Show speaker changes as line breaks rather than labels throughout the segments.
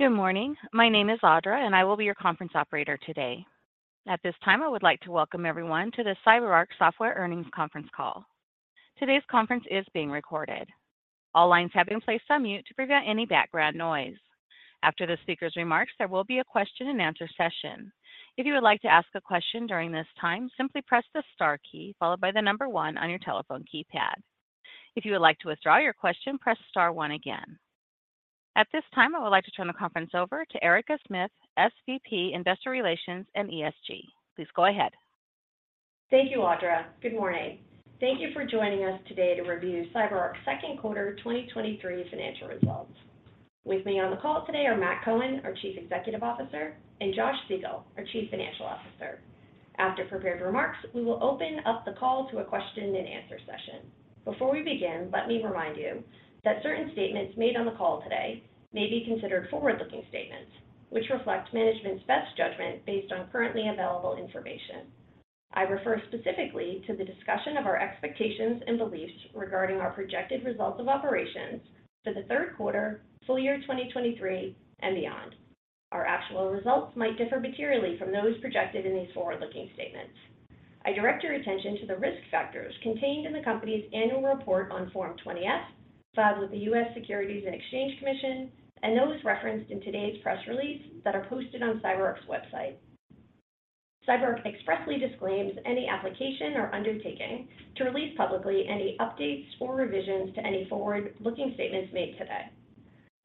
Good morning. My name is Audra, and I will be your conference operator today. At this time, I would like to welcome everyone to the CyberArk Software Earnings Conference Call. Today's conference is being recorded. All lines have been placed on mute to prevent any background noise. After the speaker's remarks, there will be a question-and-answer session. If you would like to ask a question during this time, simply press the star key followed by the number one on your telephone keypad. If you would like to withdraw your question, press star one again. At this time, I would like to turn the conference over to Erica Smith, SVP, Investor Relations and ESG. Please go ahead.
Thank you, Audra. Good morning. Thank you for joining us today to review CyberArk's second quarter 2023 financial results. With me on the call today are Matt Cohen, our Chief Executive Officer, and Josh Siegel, our Chief Financial Officer. After prepared remarks, we will open up the call to a question-and-answer session. Before we begin, let me remind you that certain statements made on the call today may be considered forward-looking statements, which reflect management's best judgment based on currently available information. I refer specifically to the discussion of our expectations and beliefs regarding our projected results of operations for the third quarter, full year 2023, and beyond. Our actual results might differ materially from those projected in these forward-looking statements. I direct your attention to the risk factors contained in the company's Annual Report on Form 20-F, filed with the U.S. Securities and Exchange Commission, and those referenced in today's press release that are posted on CyberArk's website. CyberArk expressly disclaims any application or undertaking to release publicly any updates or revisions to any forward-looking statements made today.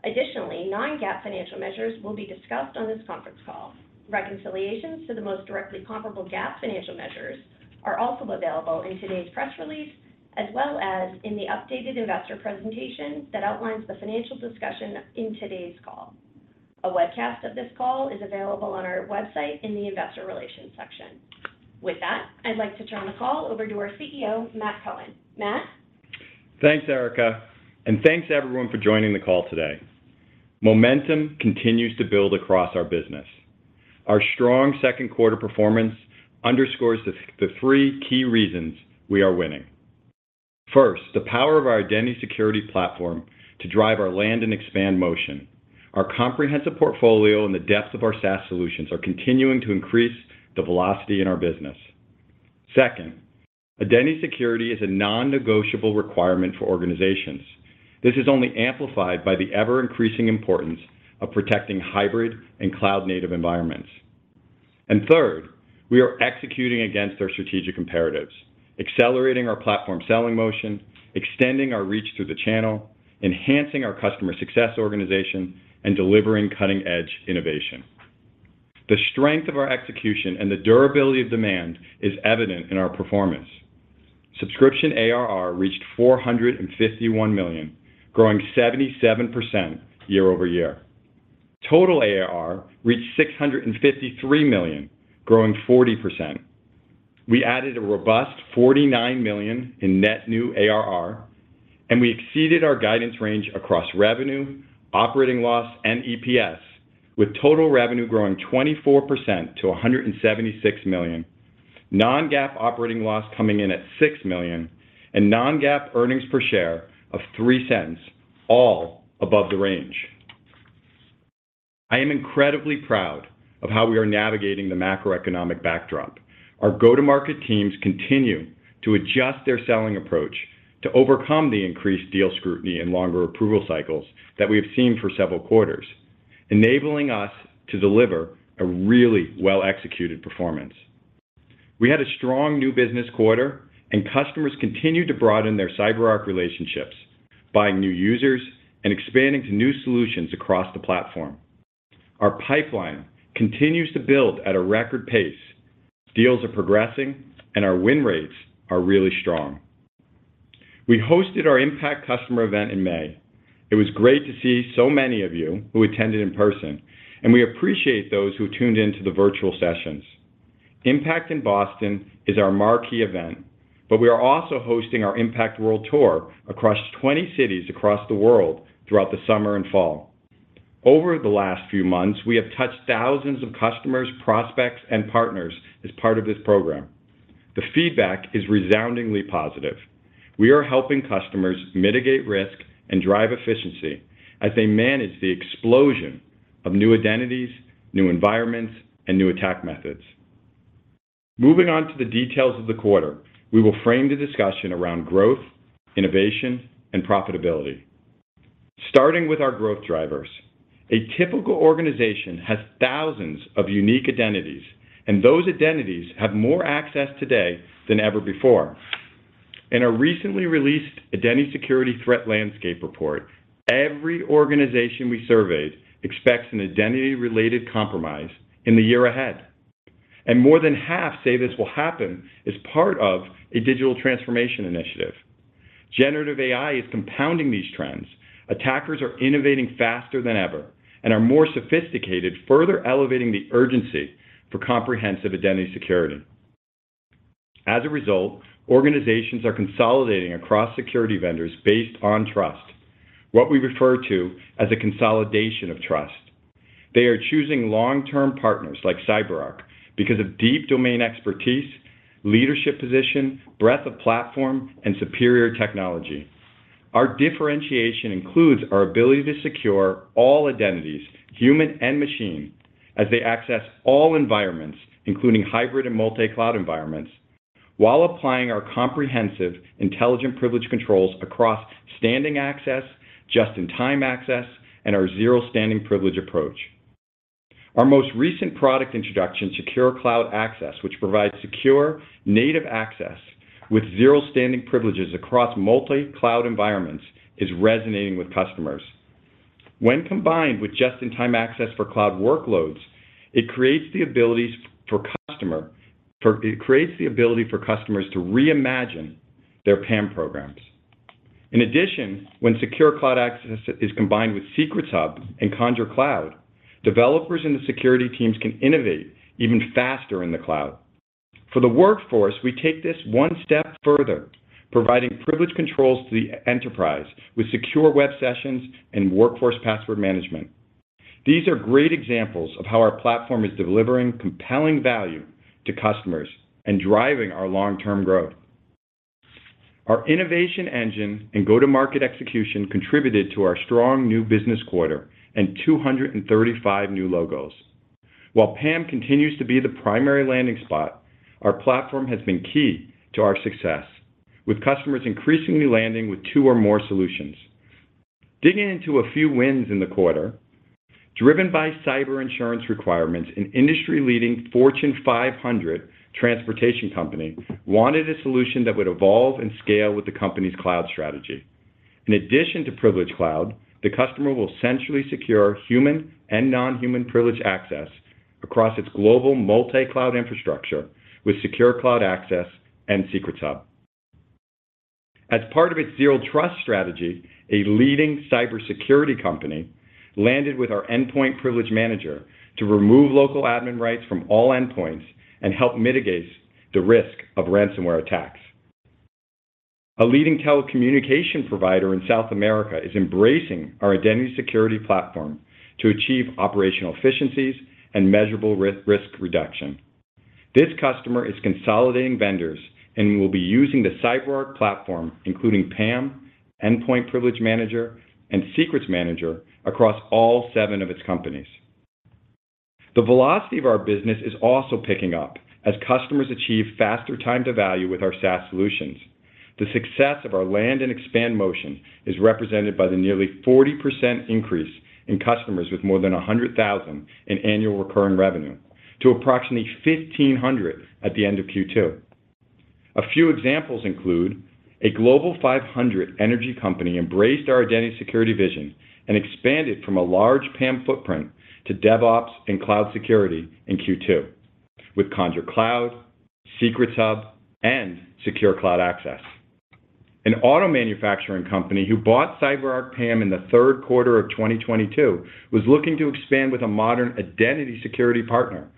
Additionally, non-GAAP financial measures will be discussed on this conference call. Reconciliations to the most directly comparable GAAP financial measures are also available in today's press release, as well as in the updated investor presentation that outlines the financial discussion in today's call. A webcast of this call is available on our website in the Investor Relations section. With that, I'd like to turn the call over to our CEO, Matt Cohen. Matt?
Thanks, Erika, thanks to everyone for joining the call today. Momentum continues to build across our business. Our strong second quarter performance underscores three key reasons we are winning. First, the power of our Identity Security Platform to drive our land and expand motion. Our comprehensive portfolio and the depth of our SaaS solutions are continuing to increase the velocity in our business. Second, identity security is a non-negotiable requirement for organizations. This is only amplified by the ever-increasing importance of protecting hybrid and cloud-native environments. Third, we are executing against our strategic imperatives, accelerating our platform selling motion, extending our reach through the channel, enhancing our customer success organization, and delivering cutting-edge innovation. The strength of our execution and the durability of demand is evident in our performance. Subscription ARR reached $451,000,000, growing 77% year-over-year. Total ARR reached $653,000,000, growing 40%. We added a robust $49,000,000 in net new ARR, and we exceeded our guidance range across revenue, operating loss, and EPS, with total revenue growing 24% to $176,000,000. Non-GAAP operating loss coming in at $6,000,000, and non-GAAP earnings per share of $0.03, all above the range. I am incredibly proud of how we are navigating the macroeconomic backdrop. Our go-to-market teams continue to adjust their selling approach to overcome the increased deal scrutiny and longer approval cycles that we have seen for several quarters, enabling us to deliver a really well-executed performance. We had a strong new business quarter, and customers continued to broaden their CyberArk relationships, buying new users and expanding to new solutions across the platform. Our pipeline continues to build at a record pace. Deals are progressing, and our win rates are really strong. We hosted our CyberArk IMPACT customer event in May. It was great to see so many of you who attended in person, and we appreciate those who tuned in to the virtual sessions. CyberArk IMPACT in Boston is our marquee event, but we are also hosting our CyberArk IMPACT World Tour across 20 cities across the world throughout the summer and fall. Over the last few months, we have touched thousands of customers, prospects, and partners as part of this program. The feedback is resoundingly positive. We are helping customers mitigate risk and drive efficiency as they manage the explosion of new identities, new environments, and new attack methods. Moving on to the details of the quarter, we will frame the discussion around growth, innovation, and profitability. Starting with our growth drivers, a typical organization has thousands of unique identities, and those identities have more access today than ever before. In a recently released Identity Security Threat Landscape Report, every organization we surveyed expects an identity-related compromise in the year ahead, and more than half say this will happen as part of a digital transformation initiative. Generative AI is compounding these trends. Attackers are innovating faster than ever and are more sophisticated, further elevating the urgency for comprehensive identity security. As a result, organizations are consolidating across security vendors based on trust, what we refer to as a consolidation of trust. They are choosing long-term partners like CyberArk because of deep domain expertise, leadership position, breadth of platform, and superior technology. Our differentiation includes our ability to secure all identities, human and machine, as they access all environments, including hybrid and multi-cloud environments, while applying our comprehensive, intelligent privilege controls across standing access, just-in-time access, and our Zero Standing Privilege approach. Our most recent product introduction, Secure Cloud Access, which provides secure, native access with Zero Standing Privileges across multi-cloud environments, is resonating with customers. When combined with just-in-time access for cloud workloads, it creates the ability for customers to reimagine their PAM programs. In addition, when Secure Cloud Access is combined with Secrets Hub and Conjur Cloud, developers and the security teams can innovate even faster in the cloud. For the workforce, we take this one step further, providing privilege controls to the enterprise with Secure Web Sessions and Workforce Password Management. These are great examples of how our platform is delivering compelling value to customers and driving our long-term growth. Our innovation engine and go-to-market execution contributed to our strong new business quarter and 235 new logos. While PAM continues to be the primary landing spot, our platform has been key to our success, with customers increasingly landing with two or more solutions. Digging into a few wins in the quarter, driven by cyber insurance requirements, an industry-leading Fortune 500 transportation company wanted a solution that would evolve and scale with the company's cloud strategy. In addition to Privilege Cloud, the customer will centrally secure human and non-human privilege access across its global multi-cloud infrastructure with Secure Cloud Access and Secrets Hub. As part of its zero trust strategy, a leading cybersecurity company landed with our Endpoint Privilege Manager to remove local admin rights from all endpoints and help mitigate the risk of ransomware attacks. A leading telecommunication provider in South America is embracing our Identity Security Platform to achieve operational efficiencies and measurable risk reduction. This customer is consolidating vendors and will be using the CyberArk platform, including PAM, Endpoint Privilege Manager, and Secrets Manager, across all 7 of its companies. The velocity of our business is also picking up as customers achieve faster time to value with our SaaS solutions. The success of our land and expand motion is represented by the nearly 40% increase in customers with more than 100,000 in annual recurring revenue to approximately 1,500 at the end of Q2. A few examples include a Global 500 energy company embraced our identity security vision and expanded from a large PAM footprint to DevOps and cloud security in Q2 with Conjur Cloud, Secrets Hub, and Secure Cloud Access. An auto manufacturing company who bought CyberArk PAM in the 3rd quarter of 2022 was looking to expand with a modern identity security partner.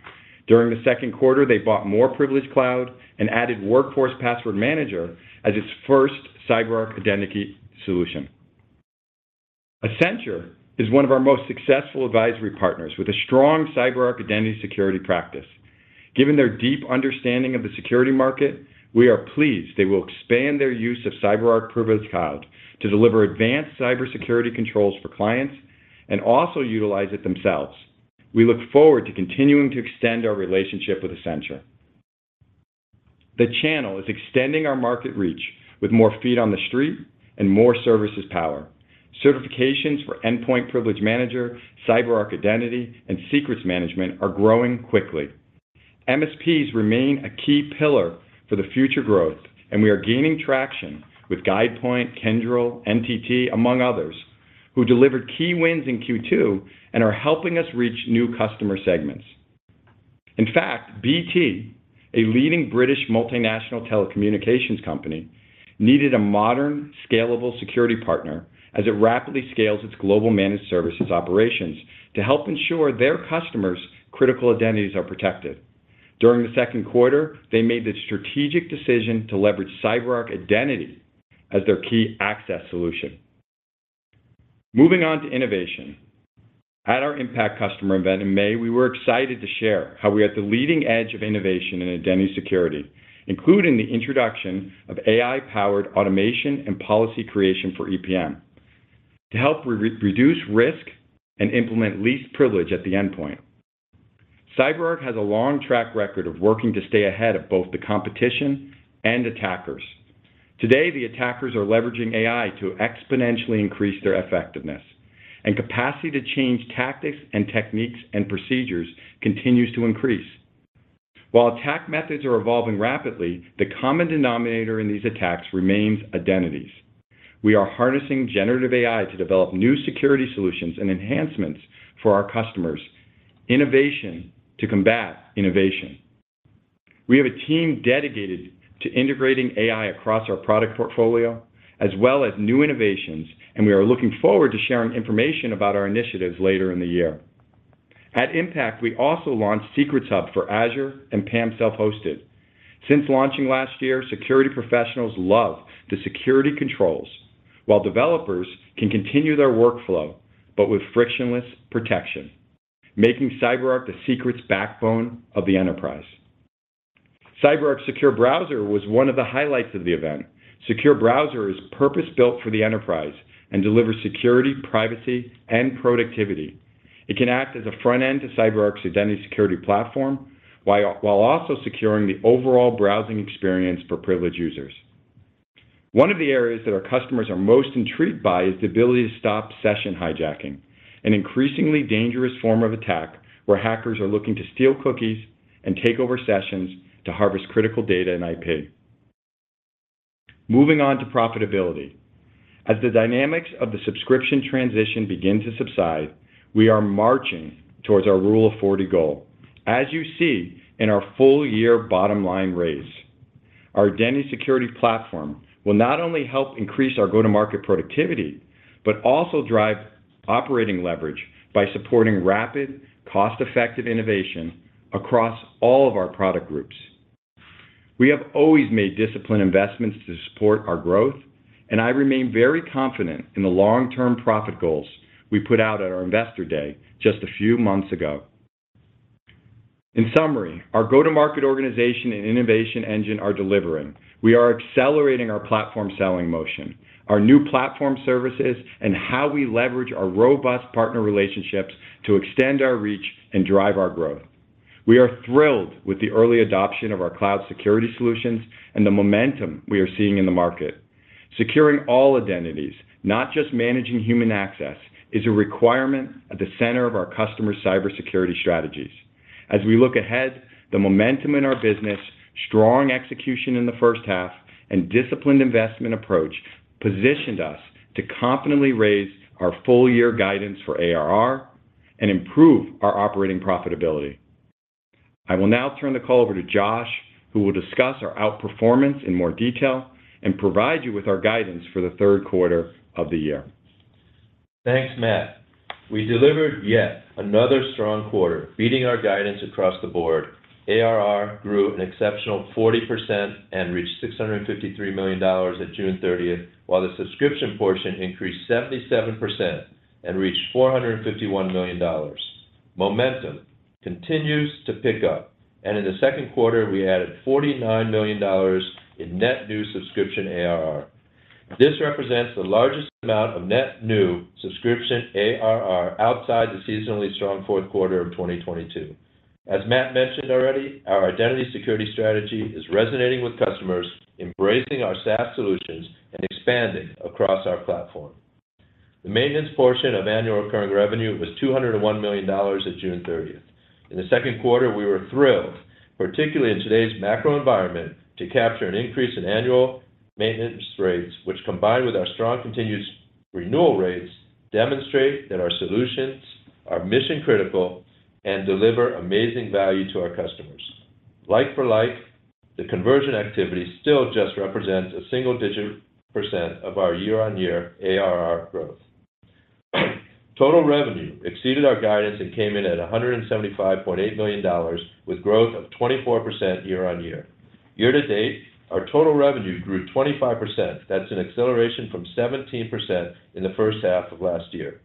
During the 2nd quarter, they bought more Privileged Cloud and added Workforce Password Manager as its first CyberArk Identity solution. Accenture is one of our most successful advisory partners with a strong CyberArk identity security practice. Given their deep understanding of the security market, we are pleased they will expand their use of CyberArk Privileged Cloud to deliver advanced cybersecurity controls for clients and also utilize it themselves. We look forward to continuing to extend our relationship with Accenture. The channel is extending our market reach with more feet on the street and more services power. Certifications for Endpoint Privilege Manager, CyberArk Identity, and Secrets Management are growing quickly. MSPs remain a key pillar for the future growth, and we are gaining traction with GuidePoint, Kyndryl, NTT, among others, who delivered key wins in Q2 and are helping us reach new customer segments. In fact, BT, a leading British multinational telecommunications company, needed a modern, scalable security partner as it rapidly scales its global managed services operations to help ensure their customers' critical identities are protected. During the second quarter, they made the strategic decision to leverage CyberArk Identity as their key access solution. Moving on to innovation. At our Impact customer event in May, we were excited to share how we are at the leading edge of innovation in identity security, including the introduction of AI-powered automation and policy creation for EPM to help reduce risk and implement least privilege at the endpoint. CyberArk has a long track record of working to stay ahead of both the competition and attackers. Today, the attackers are leveraging AI to exponentially increase their effectiveness, and capacity to change tactics and techniques and procedures continues to increase. While attack methods are evolving rapidly, the common denominator in these attacks remains identities. We are harnessing generative AI to develop new security solutions and enhancements for our customers. Innovation to combat innovation. We have a team dedicated to integrating AI across our product portfolio, as well as new innovations. We are looking forward to sharing information about our initiatives later in the year. At Impact, we also launched Secrets Hub for Azure and PAM Self-Hosted. Since launching last year, security professionals love the security controls, while developers can continue their workflow, but with frictionless protection, making CyberArk the secrets backbone of the enterprise. CyberArk Secure Browser was one of the highlights of the event. Secure Browser is purpose-built for the enterprise and delivers security, privacy, and productivity. It can act as a front end to CyberArk's Identity Security Platform, while also securing the overall browsing experience for privileged users. One of the areas that our customers are most intrigued by is the ability to stop session hijacking, an increasingly dangerous form of attack where hackers are looking to steal cookies and take over sessions to harvest critical data and IP. Moving on to profitability. As the dynamics of the subscription transition begin to subside, we are marching towards our Rule of 40 goal, as you see in our full year bottom line raise. Our Identity Security Platform will not only help increase our go-to-market productivity, but also drive operating leverage by supporting rapid, cost-effective innovation across all of our product groups. We have always made disciplined investments to support our growth, and I remain very confident in the long-term profit goals we put out at our Investor Day just a few months ago. In summary, our go-to-market organization and innovation engine are delivering. We are accelerating our platform selling motion, our new platform services, and how we leverage our robust partner relationships to extend our reach and drive our growth. We are thrilled with the early adoption of our cloud security solutions and the momentum we are seeing in the market. Securing all identities, not just managing human access, is a requirement at the center of our customer's cybersecurity strategies. As we look ahead, the momentum in our business, strong execution in the first half, and disciplined investment approach positioned us to confidently raise our full year guidance for ARR and improve our operating profitability. I will now turn the call over to Josh, who will discuss our outperformance in more detail and provide you with our guidance for the third quarter of the year.
Thanks, Matt. We delivered yet another strong quarter, beating our guidance across the board. ARR grew an exceptional 40% and reached $653,000,000 at June 30th, while the subscription portion increased 77% and reached $451. Momentum continues to pick up, and in the second quarter, we added $49,000,000 in net new subscription ARR. This represents the largest amount of net new subscription ARR outside the seasonally strong fourth quarter of 2022. As Matt mentioned already, our Identity Security strategy is resonating with customers, embracing our SaaS solutions and expanding across our platform. The maintenance portion of annual recurring revenue was $201,000,000 at June 30th. In the second quarter, we were thrilled, particularly in today's macro environment, to capture an increase in annual maintenance rates, which, combined with our strong continuous renewal rates, demonstrate that our solutions are mission-critical and deliver amazing value to our customers. Like for like, the conversion activity still just represents a single-digit % of our year-on-year ARR growth. Total revenue exceeded our guidance and came in at $175,800,000, with growth of 24% year-on-year. Year-to-date, our total revenue grew 25%. That's an acceleration from 17% in the first half of last year.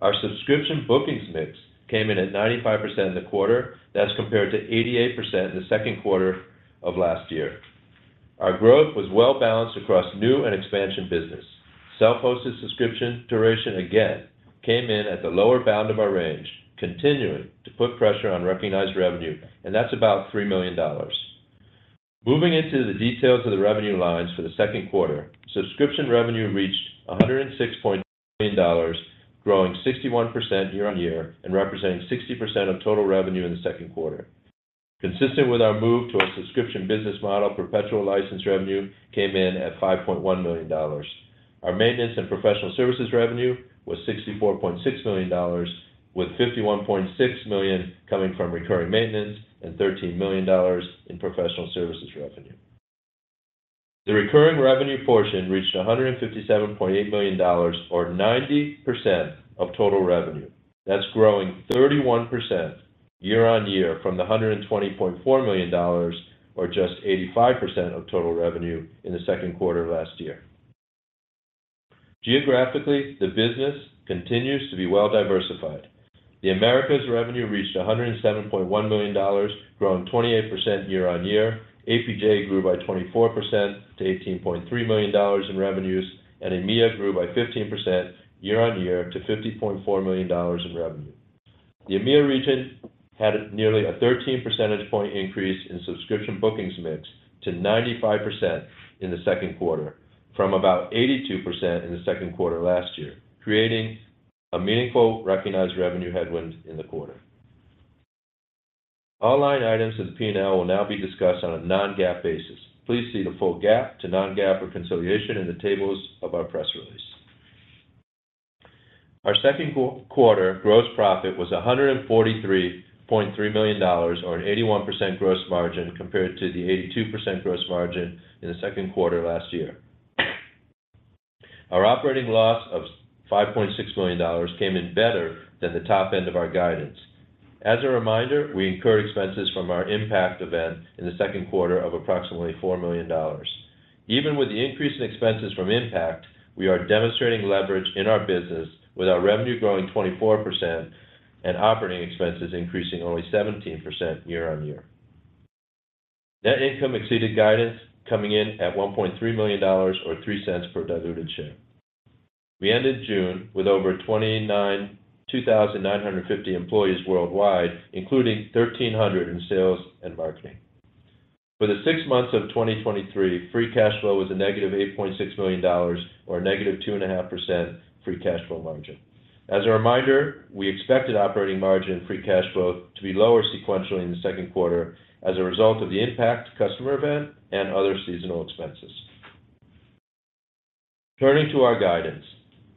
Our subscription bookings mix came in at 95% in the quarter. That's compared to 88% in the second quarter of last year. Our growth was well balanced across new and expansion business. Self-hosted subscription duration again came in at the lower bound of our range, continuing to put pressure on recognized revenue, and that's about $3,000,000. Moving into the details of the revenue lines for the second quarter, subscription revenue reached $106,000,000, growing 61% year-on-year and representing 60% of total revenue in the second quarter. Consistent with our move to a subscription business model, perpetual license revenue came in at $5,100,000. Our maintenance and professional services revenue was $64,600,000, with $51,600,000 coming from recurring maintenance and $13,000,000 in professional services revenue. The recurring revenue portion reached $157,800,000 or 90% of total revenue. That's growing 31% year-on-year from the $120,400,000, or just 85% of total revenue in the 2Q of last year. Geographically, the business continues to be well diversified. The Americas revenue reached $107,100,000, growing 28% year-on-year. APJ grew by 24% to $18,300,000 in revenues, and EMEA grew by 15% year-on-year to $50,400,000 in revenue. The EMEA region had nearly a 13 percentage point increase in subscription bookings mix to 95% in the 2Q, from about 82% in the 2Q last year, creating a meaningful recognized revenue headwind in the quarter. All line items in the P&L will now be discussed on a non-GAAP basis. Please see the full GAAP to non-GAAP reconciliation in the tables of our press release. Our second quarter gross profit was $143,300,000, or an 81% gross margin, compared to the 82% gross margin in the second quarter last year. Our operating loss of $5,600,000 came in better than the top end of our guidance. As a reminder, we incurred expenses from our Impact event in the second quarter of approximately $4,000,000. Even with the increase in expenses from Impact, we are demonstrating leverage in our business, with our revenue growing 24% and operating expenses increasing only 17% year-on-year. Net income exceeded guidance, coming in at $1,300,000, or $0.03 per diluted share. We ended June with over 2,950 employees worldwide, including 1,300 in sales and marketing. For the 6 months of 2023, free cash flow was a negative $8,600,000 or a negative 2.5% free cash flow margin. As a reminder, we expected operating margin and free cash flow to be lower sequentially in the second quarter as a result of the Impact customer event and other seasonal expenses. Turning to our guidance.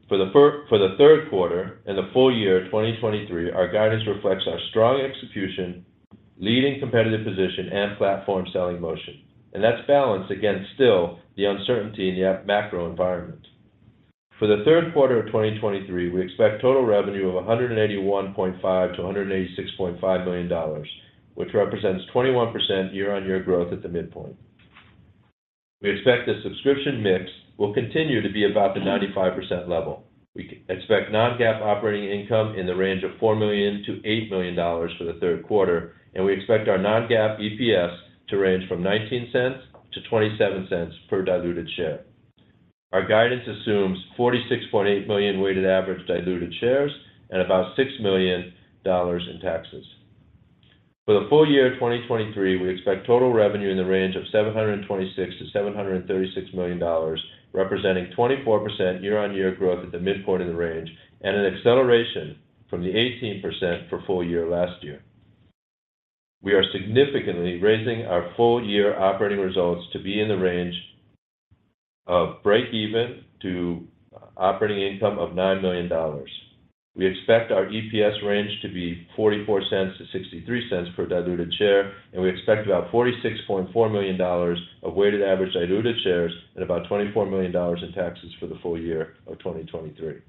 For the third quarter and the full year 2023, our guidance reflects our strong execution, leading competitive position, and platform selling motion, and that's balanced against still the uncertainty in the app macro environment. For the third quarter of 2023, we expect total revenue of $181,500,000-$186,500,000, which represents 21% year-on-year growth at the midpoint. We expect the subscription mix will continue to be about the 95% level. We expect non-GAAP operating income in the range of $4,000,000-$8,000,000 for the third quarter, and we expect our non-GAAP EPS to range from $0.19-$0.27 per diluted share. Our guidance assumes 46,800,000 weighted average diluted shares and about $6,000,000in taxes. For the full year 2023, we expect total revenue in the range of $726,000,000-$736,000,000, representing 24% year-on-year growth at the midpoint of the range. An acceleration from the 18% for full year last year. We are significantly raising our full year operating results to be in the range of breakeven to operating income of $9,000,000. We expect our EPS range to be $0.44-$0.63 per diluted share. We expect about $46,400,000 of weighted average diluted shares and about $24,000,000 in taxes for the full year of 2023.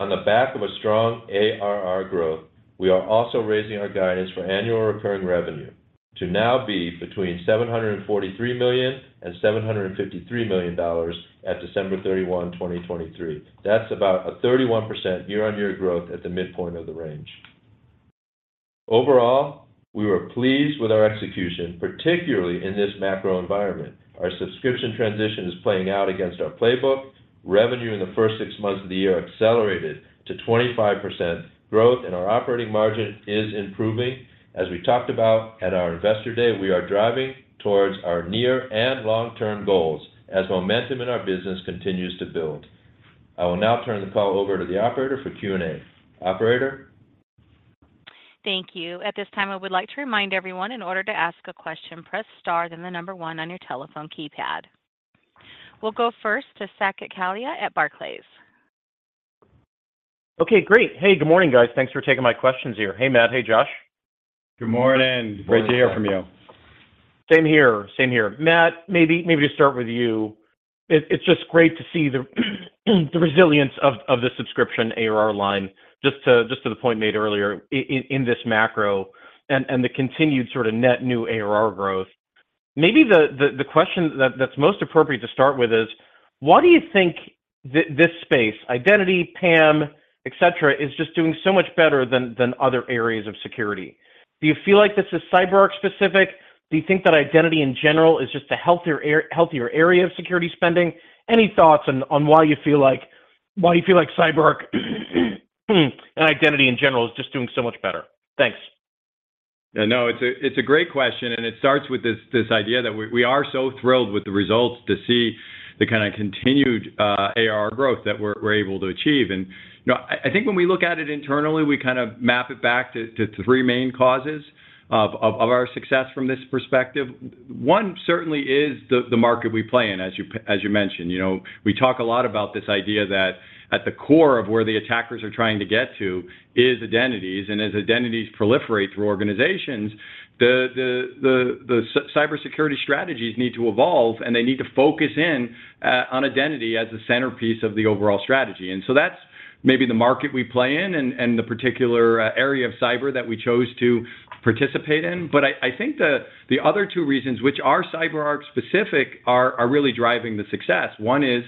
On the back of a strong ARR growth, we are also raising our guidance for annual recurring revenue to now be between $743,000,000 and $753,000,000 at December 31, 2023. That's about a 31% year-on-year growth at the midpoint of the range. Overall, we were pleased with our execution, particularly in this macro environment. Our subscription transition is playing out against our playbook. Revenue in the first 6 months of the year accelerated to 25% growth, and our operating margin is improving. As we talked about at our Investor Day, we are driving towards our near and long-term goals as momentum in our business continues to build. I will now turn the call over to the operator for Q&A. Operator?
Thank you. At this time, I would like to remind everyone, in order to ask a question, press star, then the number 1 on your telephone keypad. We'll go first to Saket Kalia at Barclays.
Okay, great. Hey, good morning, guys. Thanks for taking my questions here. Hey, Matt. Hey, Josh.
Good morning.
Good morning.
Great to hear from you.
Same here. Same here. Matt, maybe to start with you. It's just great to see the resilience of the subscription ARR line, just to the point you made earlier, in this macro and the continued sort of net new ARR growth. Maybe the question that's most appropriate to start with is: Why do you think this space, identity, PAM, et cetera, is just doing so much better than other areas of security? Do you feel like this is CyberArk specific? Do you think that identity in general is just a healthier area of security spending? Any thoughts on why you feel like CyberArk, and identity in general is just doing so much better? Thanks.
No, it's a, it's a great question, and it starts with this, this idea that we, we are so thrilled with the results to see the kinda continued ARR growth that we're, we're able to achieve. You know, I, I think when we look at it internally, we kind of map it back to, to three main causes of, of, of our success from this perspective. One certainly is the, the market we play in, as you mentioned. You know, we talk a lot about this idea that at the core of where the attackers are trying to get to is identities, and as identities proliferate through organizations, the cybersecurity strategies need to evolve, and they need to focus in on identity as the centerpiece of the overall strategy. So that's maybe the market we play in and, and the particular area of cyber that we chose to participate in. But I, I think the, the other two reasons, which are CyberArk specific, are really driving the success. One is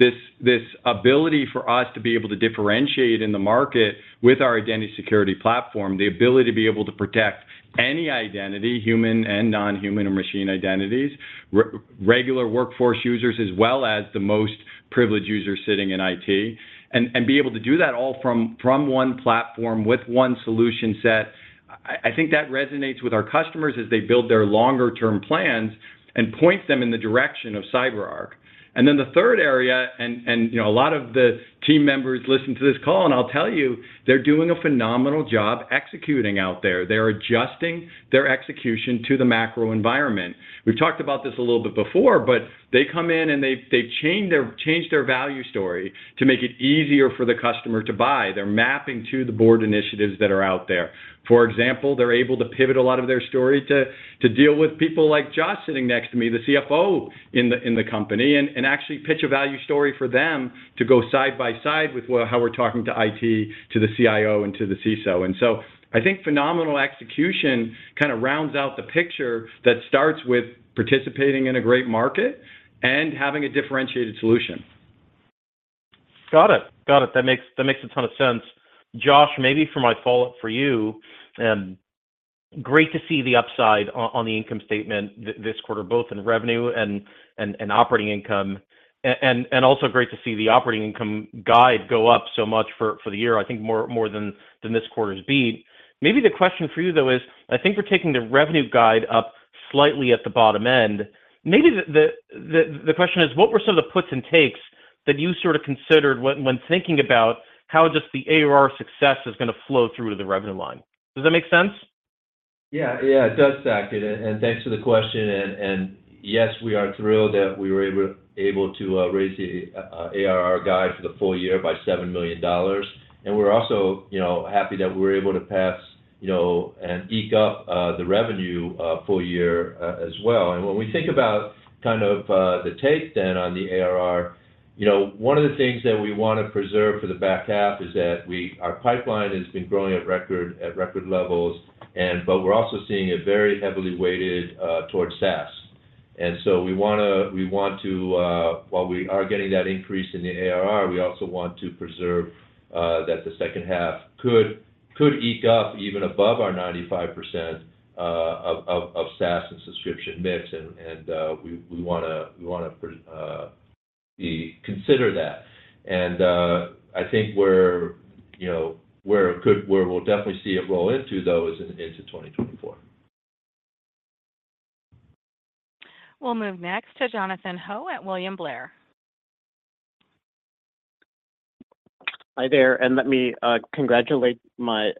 this, this ability for us to be able to differentiate in the market with our Identity Security Platform, the ability to be able to protect any identity, human and non-human or machine identities, regular workforce users, as well as the most privileged users sitting in IT, and, and be able to do that all from, from one platform with one solution set. I, I think that resonates with our customers as they build their longer-term plans and points them in the direction of CyberArk. Then the third area, and, you know, a lot of the team members listening to this call, I'll tell you, they're doing a phenomenal job executing out there. They're adjusting their execution to the macro environment. We've talked about this a little bit before, they come in and they change their value story to make it easier for the customer to buy. They're mapping to the board initiatives that are out there. For example, they're able to pivot a lot of their story to deal with people like Josh sitting next to me, the CFO in the company, and actually pitch a value story for them to go side by side with how we're talking to IT, to the CIO, and to the CISO. So I think phenomenal execution kinda rounds out the picture that starts with participating in a great market and having a differentiated solution.
Got it. Got it. That makes, that makes a ton of sense. Josh, maybe for my follow-up for you, and great to see the upside on, on the income statement this quarter, both in revenue and, and, and operating income. Also great to see the operating income guide go up so much for, for the year, I think more, more than, than this quarter's beat. Maybe the question for you, though, is, I think we're taking the revenue guide up slightly at the bottom end. Maybe the question is: What were some of the puts and takes that you sort of considered when, when thinking about how just the ARR success is gonna flow through to the revenue line? Does that make sense?
Yeah, yeah, it does, Saket, Thanks for the question. Yes, we are thrilled that we were able to raise the ARR guide for the full year by $7,000,000. We're also, you know, happy that we were able to pass, you know, and eke up the revenue full year as well. When we think about kind of the take then on the ARR, you know, one of the things that we wanna preserve for the back half is that our pipeline has been growing at record, at record levels, and but we're also seeing it very heavily weighted towards SaaS. So we wanna, we want to... while we are getting that increase in the ARR, we also want to preserve that the second half could eke up even above our 95% of SaaS and subscription mix, we wanna consider that. I think we're, you know, where we'll definitely see it roll into, though, is in, into 2024.
We'll move next to Jonathan Ho at William Blair.
Hi there, and let me congratulate my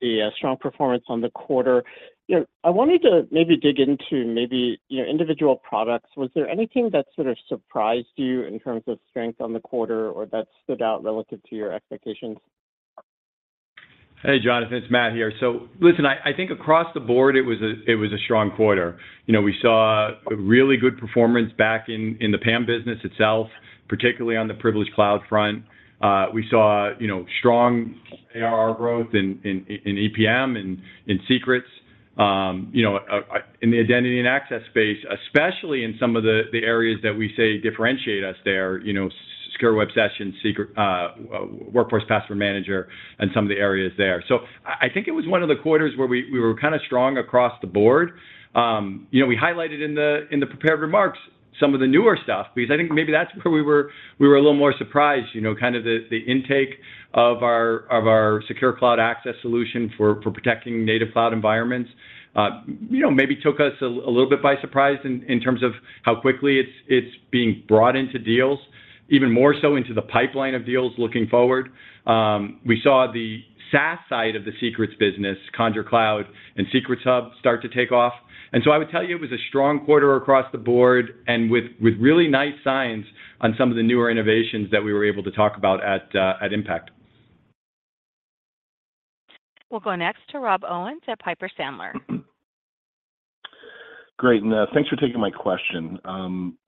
the strong performance on the quarter. You know, I wanted to maybe dig into maybe your individual products. Was there anything that sort of surprised you in terms of strength on the quarter or that stood out relative to your expectations?
Hey, Jonathan, it's Matt here. Listen, I, I think across the board, it was a, it was a strong quarter. You know, we saw a really good performance back in the PAM business itself, particularly on the Privilege Cloud front. We saw, you know, strong ARR growth in EPM and in Secrets. You know, in the Identity and access space, especially in some of the areas that we say differentiate us there, you know, Secure Web Sessions, Secret, Workforce Password Manager and some of the areas there. I, I think it was one of the quarters where we were kinda strong across the board. You know, we highlighted in the prepared remarks some of the newer stuff, because I think maybe that's where we were a little more surprised. You know, kind of the, the intake of our, of our CyberArk Secure Cloud Access solution for, for protecting native cloud environments, you know, maybe took us a, a little bit by surprise in, in terms of how quickly it's, it's being brought into deals, even more so into the pipeline of deals looking forward. We saw the SaaS side of the Secrets business, CyberArk Conjur Cloud and CyberArk Secrets Hub, start to take off. So I would tell you, it was a strong quarter across the board and with, with really nice signs on some of the newer innovations that we were able to talk about at CyberArk IMPACT.
We'll go next to Robbie Owens at Piper Sandler.
Great, and thanks for taking my question.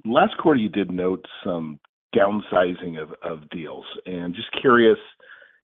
Last quarter, you did note some downsizing of, of deals. Just curious,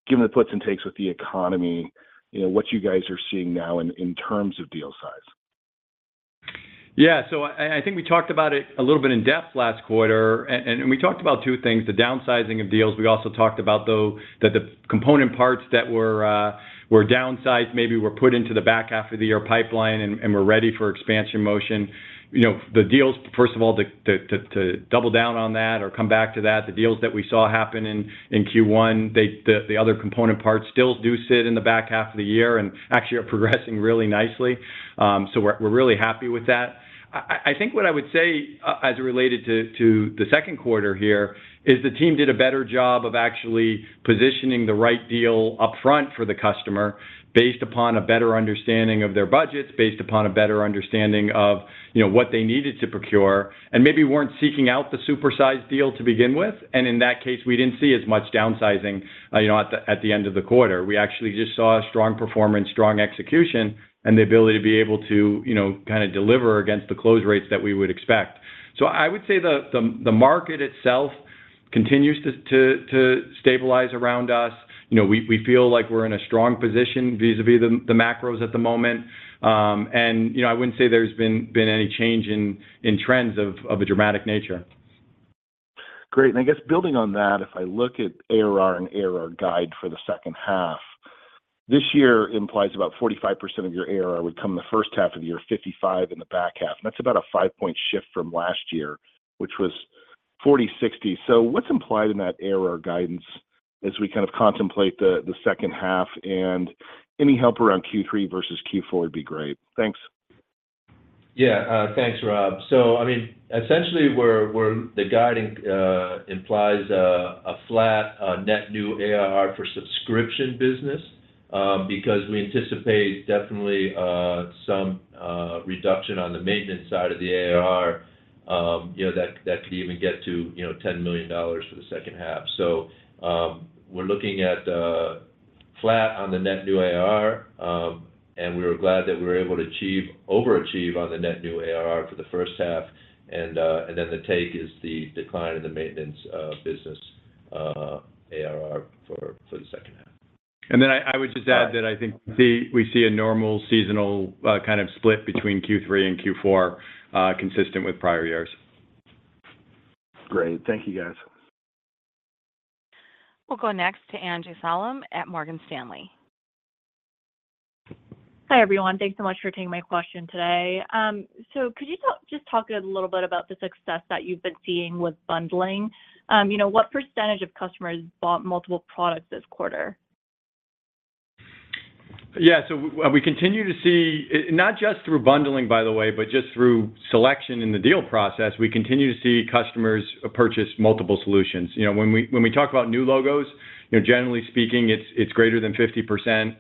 given the puts and takes with the economy, you know, what you guys are seeing now in, in terms of deal size?
Yeah, I think we talked about it a little bit in depth last quarter, we talked about two things, the downsizing of deals. We also talked about, though, that the component parts that were downsized, maybe were put into the back half of the year pipeline and were ready for expansion motion. You know, the deals, first of all, to double down on that or come back to that, the deals that we saw happen in Q1, the other component parts still do sit in the back half of the year and actually are progressing really nicely. We're really happy with that. I, I, I think what I would say, as it related to, to the second quarter here, is the team did a better job of actually positioning the right deal upfront for the customer based upon a better understanding of their budgets, based upon a better understanding of, you know, what they needed to procure, and maybe weren't seeking out the super-sized deal to begin with. In that case, we didn't see as much downsizing, you know, at the, at the end of the quarter. We actually just saw a strong performance, strong execution, and the ability to be able to, you know, kinda deliver against the close rates that we would expect. I would say the, the, the market itself continues to, to, to stabilize around us. You know, we, we feel like we're in a strong position vis-a-vis the, the macros at the moment. You know, I wouldn't say there's been any change in trends of a dramatic nature.
Great, I guess building on that, if I look at ARR and ARR guide for the second half, this year implies about 45% of your ARR would come in the first half of the year, 55 in the back half, and that's about a 5-point shift from last year, which was 40-60. What's implied in that ARR guidance as we kind of contemplate the, the second half? Any help around Q3 versus Q4 would be great. Thanks.
Yeah, thanks, Rob. I mean, essentially, we're, we're the guiding implies a flat net new ARR for subscription business, because we anticipate definitely some reduction on the maintenance side of the ARR, you know, that, that could even get to, you know, $10,000,000 for the second half. We're looking at flat on the net new ARR, and we were glad that we were able to achieve, overachieve on the net new ARR for the first half. Then the take is the decline in the maintenance business ARR for the second half.
Then I, I would just add that I think we see a normal seasonal, kind of split between Q3 and Q4, consistent with prior years.
Great. Thank you, guys.
We'll go next to Angie Salam at Morgan Stanley.
Hi, everyone. Thanks so much for taking my question today. Could you just talk a little bit about the success that you've been seeing with bundling? You know, what % of customers bought multiple products this quarter?
Yeah, we continue to see, not just through bundling, by the way, but just through selection in the deal process, we continue to see customers purchase multiple solutions. You know, when we, when we talk about new logos, you know, generally speaking, it's greater than 50%.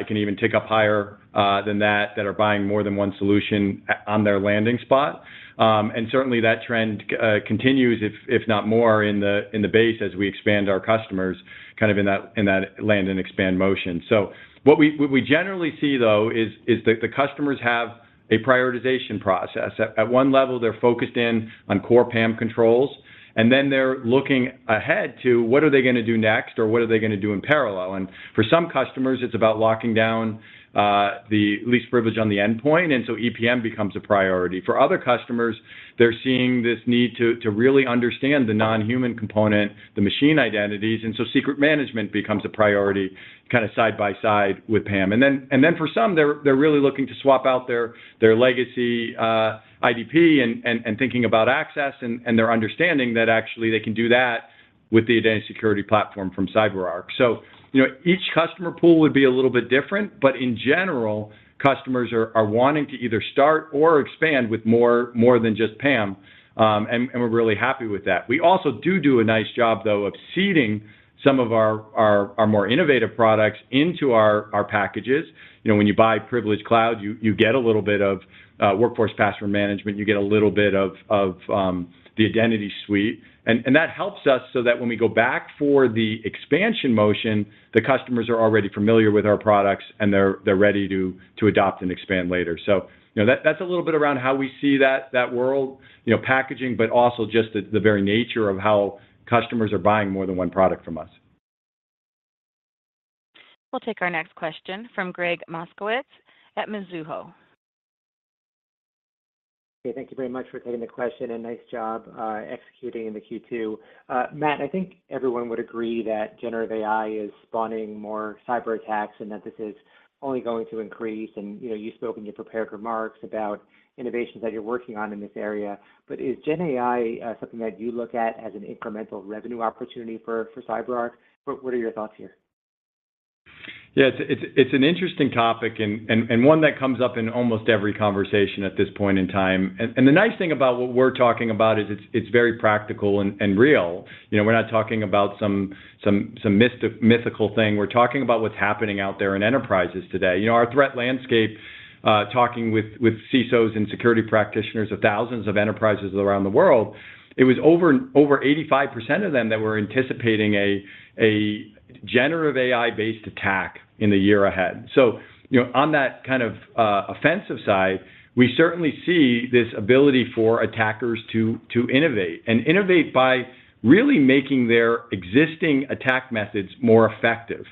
It can even tick up higher than that, that are buying more than one solution on their landing spot. Certainly, that trend continues, if not more, in the base as we expand our customers, kind of in that land-and-expand motion. What we, what we generally see, though, is that the customers have a prioritization process. At one level, they're focused in on core PAM controls, and then they're looking ahead to what are they gonna do next, or what are they gonna do in parallel. For some customers, it's about locking down the least privilege on the endpoint, and so EPM becomes a priority. For other customers, they're seeing this need to, to really understand the non-human component, the machine identities, and so secrets management becomes a priority, kinda side by side with PAM. Then, and then for some, they're, they're really looking to swap out their, their legacy IDP and, and, and thinking about access, and, and they're understanding that actually they can do that with the CyberArk Identity Security Platform from CyberArk. You know, each customer pool would be a little bit different, but in general, customers are wanting to either start or expand with more than just PAM, and we're really happy with that. We also do do a nice job, though, of seeding some of our more innovative products into our packages. You know, when you buy Privilege Cloud, you get a little bit of Workforce Password Management, you get a little bit of, of the identity suite. That helps us so that when we go back for the expansion motion, the customers are already familiar with our products, and they're ready to adopt and expand later. you know, that's a little bit around how we see that, that world, you know, packaging, but also just the, the very nature of how customers are buying more than one product from us.
We'll take our next question from Gregg Moskowitz at Mizuho.
Okay, thank you very much for taking the question, and nice job, executing in the Q2. Matt, I think everyone would agree that generative AI is spawning more cyberattacks and that this is only going to increase. You know, you spoke in your prepared remarks about innovations that you're working on in this area. Is gen AI something that you look at as an incremental revenue opportunity for, for CyberArk? What, what are your thoughts here?
Yeah, it's, it's, it's an interesting topic and, and, and one that comes up in almost every conversation at this point in time. The nice thing about what we're talking about is it's, it's very practical and, and real. You know, we're not talking about some, some, some myst- mythical thing. We're talking about what's happening out there in enterprises today. You know, our threat landscape, talking with, with CISOs and security practitioners of thousands of enterprises around the world, it was over, over 85% of them that were anticipating a, a generative AI-based attack in the year ahead. You know, on that kind of offensive side, we certainly see this ability for attackers to, to innovate, and innovate by really making their existing attack methods more effective.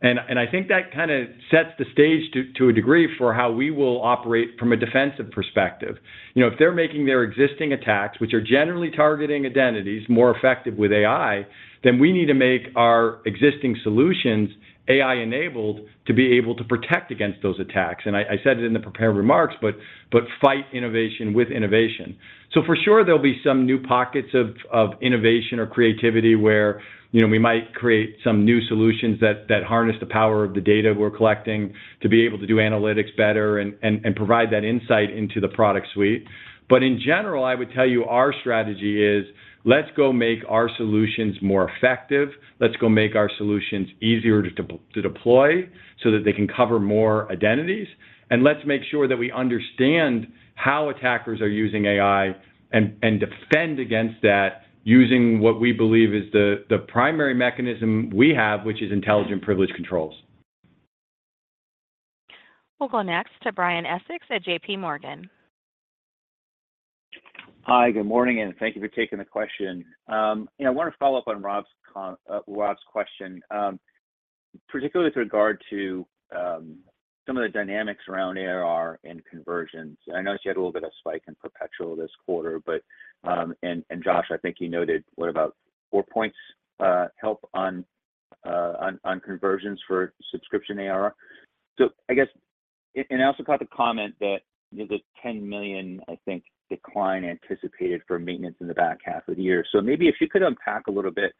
I think that kinda sets the stage to, to a degree, for how we will operate from a defensive perspective. You know, if they're making their existing attacks, which are generally targeting identities, more effective with AI, then we need to make our existing solutions AI-enabled to be able to protect against those attacks. I, I said it in the prepared remarks, but, but fight innovation with innovation. For sure, there'll be some new pockets of, of innovation or creativity where, you know, we might create some new solutions that, that harness the power of the data we're collecting to be able to do analytics better and, and, and provide that insight into the product suite. In general, I would tell you, our strategy is, let's go make our solutions more effective. Let's go make our solutions easier to deploy so that they can cover more identities. Let's make sure that we understand how attackers are using AI and defend against that, using what we believe is the primary mechanism we have, which is intelligent privilege controls.
We'll go next to Brian Essex at J.P. Morgan.
Hi, good morning, and thank you for taking the question. You know, I want to follow up on Rob's question, particularly with regard to some of the dynamics around ARR and conversions. I noticed you had a little bit of spike in perpetual this quarter, but... And Josh, I think you noted, what about 4 points help on conversions for subscription ARR? And I also caught the comment that there's a $10,000,000, I think, decline anticipated for maintenance in the back half of the year. Maybe if you could unpack a little bit,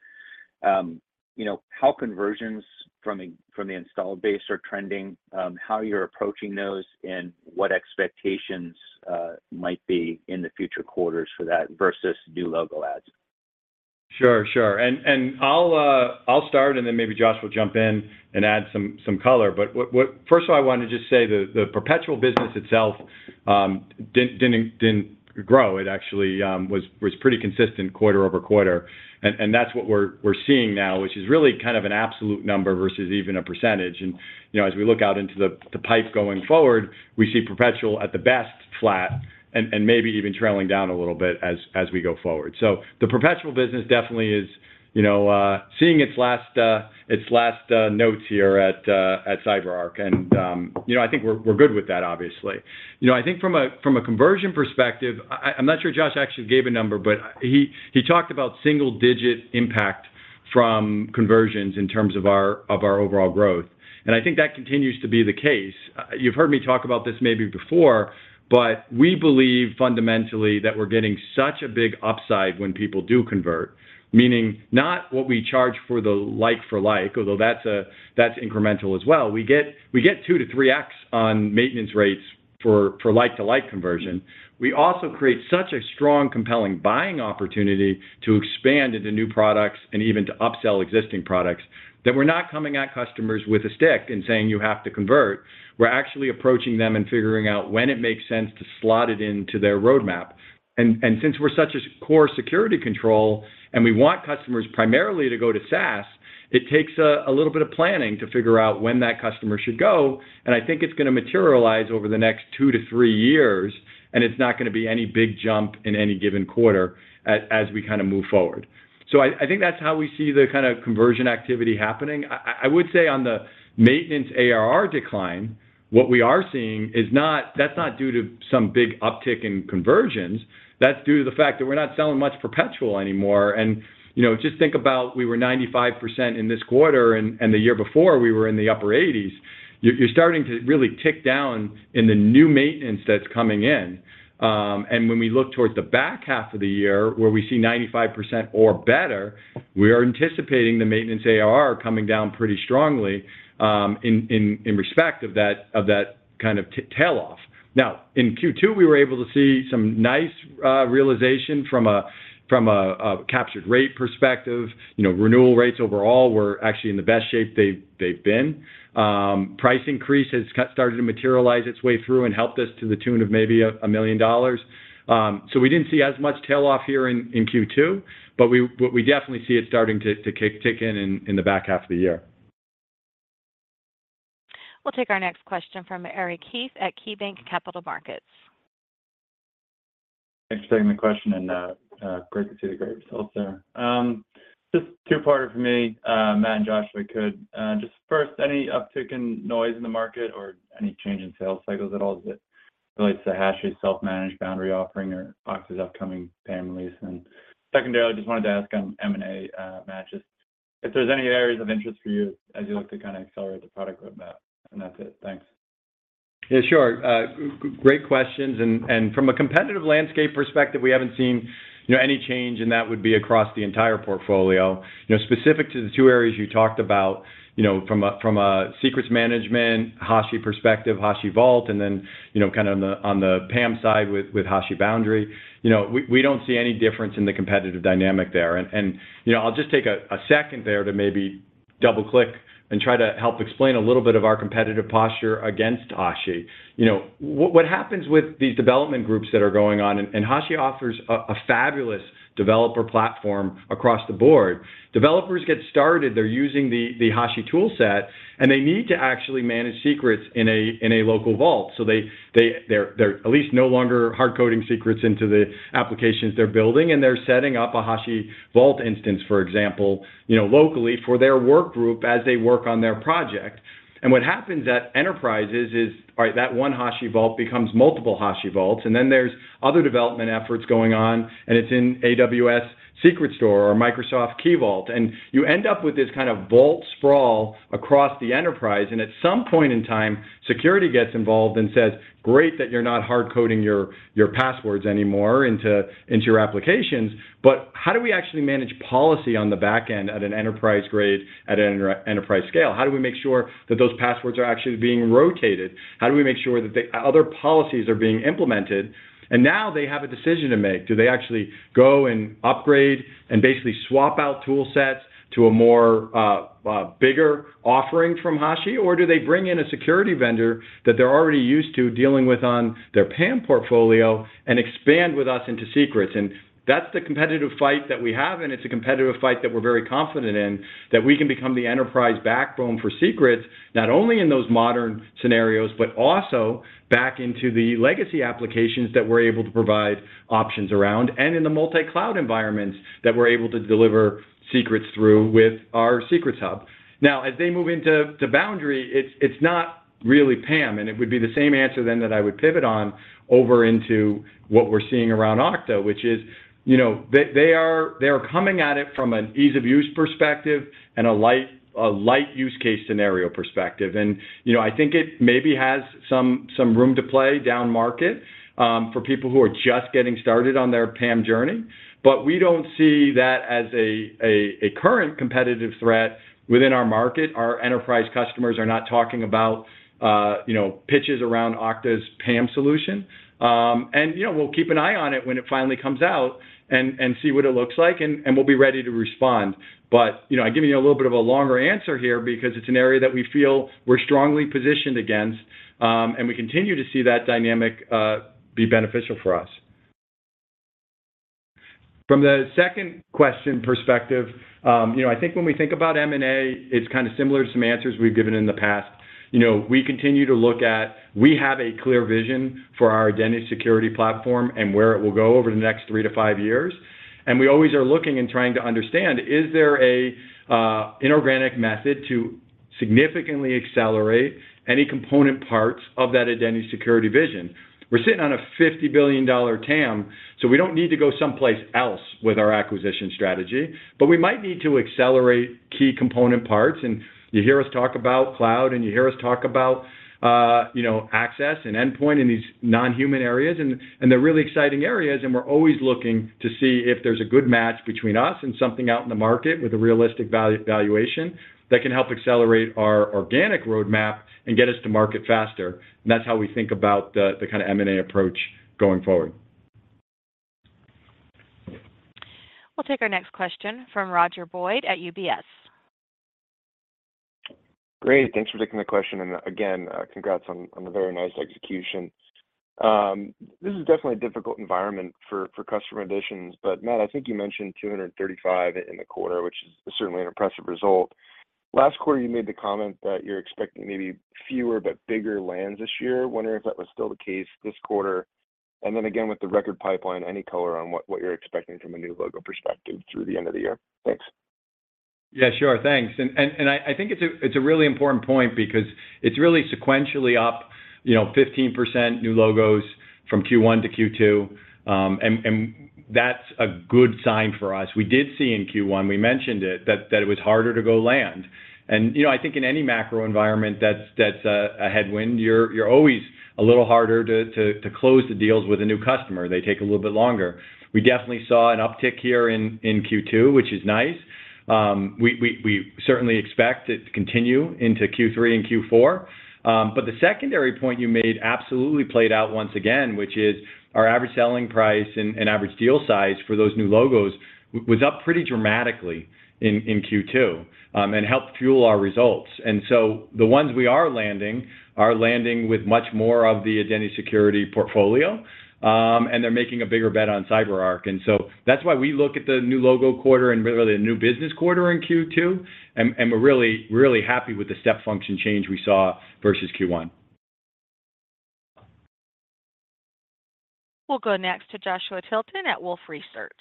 you know, how conversions from the installed base are trending, how you're approaching those, and what expectations might be in the future quarters for that versus new logo adds.
Sure, sure. I'll start, and then maybe Josh will jump in and add some color. First of all, I want to just say the perpetual business itself didn't, didn't, didn't grow. It actually was pretty consistent quarter-over-quarter. That's what we're seeing now, which is really kind of an absolute number versus even a %. You know, as we look out into the pipe going forward, we see perpetual at the best flat, and maybe even trailing down a little bit as we go forward. The perpetual business definitely is, you know, seeing its last, its last notes here at CyberArk. You know, I think we're good with that, obviously. You know, I think from a, from a conversion perspective, I, I'm not sure Josh actually gave a number, but he, he talked about single-digit impact from conversions in terms of our, of our overall growth, and I think that continues to be the case. You've heard me talk about this maybe before, but we believe fundamentally that we're getting such a big upside when people do convert, meaning not what we charge for the like for like, although that's incremental as well. We get, we get 2-3x on maintenance rates for, for like-to-like conversion. We also create such a strong, compelling buying opportunity to expand into new products and even to upsell existing products, that we're not coming at customers with a stick and saying, "You have to convert." We're actually approaching them and figuring out when it makes sense to slot it into their roadmap. Since we're such a core security control, and we want customers primarily to go to SaaS, it takes a little bit of planning to figure out when that customer should go, and I think it's going to materialize over the next 2 to 3 years, and it's not going to be any big jump in any given quarter as we kind of move forward. I, I think that's how we see the kind of conversion activity happening. I would say on the maintenance ARR decline, what we are seeing is that's not due to some big uptick in conversions, that's due to the fact that we're not selling much perpetual anymore. You know, just think about we were 95% in this quarter, and the year before we were in the upper 80s. You're starting to really tick down in the new maintenance that's coming in. When we look towards the back half of the year, where we see 95% or better, we are anticipating the maintenance ARR coming down pretty strongly in respect of that, of that kind of tail off. In Q2, we were able to see some nice realization from a, from a, a captured rate perspective. You know, renewal rates overall were actually in the best shape they've, they've been. Price increase has started to materialize its way through and helped us to the tune of maybe $1,000,000. We didn't see as much tail off here in Q2, but we but we definitely see it starting to kick kick in in the back half of the year.
We'll take our next question from Eric Heath at KeyBanc Capital Markets.
Thanks for taking the question, and great to see the great results there. Just two-parter from me, Matt and Josh, if I could. Just first, any uptick in noise in the market or any change in sales cycles at all as it relates to HashiCorp's self-managed Boundary offering or Okta's upcoming PAM release? And secondarily, I just wanted to ask on M&A, Matt, just if there's any areas of interest for you as you look to kind of accelerate the product roadmap. And that's it. Thanks.
Yeah, sure. Great questions, and from a competitive landscape perspective, we haven't seen, you know, any change, and that would be across the entire portfolio. You know, specific to the two areas you talked about, you know, from a, from a secrets management, Hashi perspective, HashiCorp Vault, and then, you know, kind of on the, on the PAM side with, with HashiCorp Boundary, you know, we, we don't see any difference in the competitive dynamic there. You know, I'll just take a, a second there to maybe double-click and try to help explain a little bit of our competitive posture against Hashi. You know, what, what happens with these development groups that are going on, Hashi offers a, a fabulous developer platform across the board. Developers get started, they're using the, the Hashi toolset, and they need to actually manage secrets in a, in a local vault. They're, they're at least no longer hard coding secrets into the applications they're building, and they're setting up a Hashi Vault instance, for example, you know, locally for their workgroup as they work on their project. What happens at enterprise is, all right, that one Hashi Vault becomes multiple Hashi Vaults, and then there's other development efforts going on, and it's in AWS Secrets Manager or Azure Key Vault, and you end up with this kind of vault sprawl across the enterprise. At some point in time, security gets involved and says, "Great, that you're not hard coding your, your passwords anymore into, into your applications, but how do we actually manage policy on the back end at an enterprise grade, at an enterprise scale? How do we make sure that those passwords are actually being rotated? How do we make sure that the other policies are being implemented?" Now they have a decision to make: Do they actually go and upgrade and basically swap out tool sets to a more bigger offering from Hashi, or do they bring in a security vendor that they're already used to dealing with on their PAM portfolio and expand with us into secrets? That's the competitive fight that we have, and it's a competitive fight that we're very confident in, that we can become the enterprise backbone for secrets, not only in those modern scenarios, but also back into the legacy applications that we're able to provide options around, and in the multi-cloud environments that we're able to deliver secrets through with our Secrets Hub. Now, as they move into, to Boundary, it's not really PAM, and it would be the same answer then that I would pivot on over into what we're seeing around Okta, which is, you know, they are coming at it from an ease-of-use perspective and a light, a light use case scenario perspective. You know, I think it maybe has some, some room to play down market, for people who are just getting started on their PAM journey, but we don't see that as a, a, a current competitive threat within our market. Our enterprise customers are not talking about, you know, pitches around Okta's PAM solution. You know, we'll keep an eye on it when it finally comes out and, and see what it looks like, and, and we'll be ready to respond. You know, I'm giving you a little bit of a longer answer here because it's an area that we feel we're strongly positioned against, and we continue to see that dynamic, be beneficial for us. From the second question perspective, you know, I think when we think about M&A, it's kind of similar to some answers we've given in the past. You know, we continue to look at-- We have a clear vision for our Identity Security Platform and where it will go over the next three to five years, and we always are looking and trying to understand, is there a inorganic method to significantly accelerate any component parts of that identity security vision? We're sitting on a $50,000,000,000 TAM, so we don't need to go someplace else with our acquisition strategy, but we might need to accelerate key component parts. You hear us talk about cloud, and you hear us talk about, you know, access and endpoint in these non-human areas, and, and they're really exciting areas, and we're always looking to see if there's a good match between us and something out in the market with a realistic value- valuation that can help accelerate our organic roadmap and get us to market faster. That's how we think about the, the kind of M&A approach going forward.
We'll take our next question from Roger Boyd at UBS.
Great. Thanks for taking the question, and again, congrats on, on a very nice execution. This is definitely a difficult environment for, for customer additions, but Matt, I think you mentioned 235 in the quarter, which is certainly an impressive result. Last quarter, you made the comment that you're expecting maybe fewer but bigger lands this year. Wondering if that was still the case this quarter, and then again, with the record pipeline, any color on what, what you're expecting from a new logo perspective through the end of the year? Thanks.
Sure. Thanks. I think it's a really important point because it's really sequentially up, you know, 15% new logos from Q1 to Q2, and that's a good sign for us. We did see in Q1, we mentioned it, that it was harder to go land. You know, I think in any macro environment that's a headwind, you're always a little harder to close the deals with a new customer. They take a little bit longer. We definitely saw an uptick here in Q2, which is nice. We certainly expect it to continue into Q3 and Q4. The secondary point you made absolutely played out once again, which is our average selling price and average deal size for those new logos was up pretty dramatically in Q2, and helped fuel our results. So the ones we are landing are landing with much more of the identity security portfolio, and they're making a bigger bet on CyberArk. So that's why we look at the new logo quarter and really a new business quarter in Q2, and we're really, really happy with the step function change we saw versus Q1.
We'll go next to Joshua Tilton at Wolfe Research.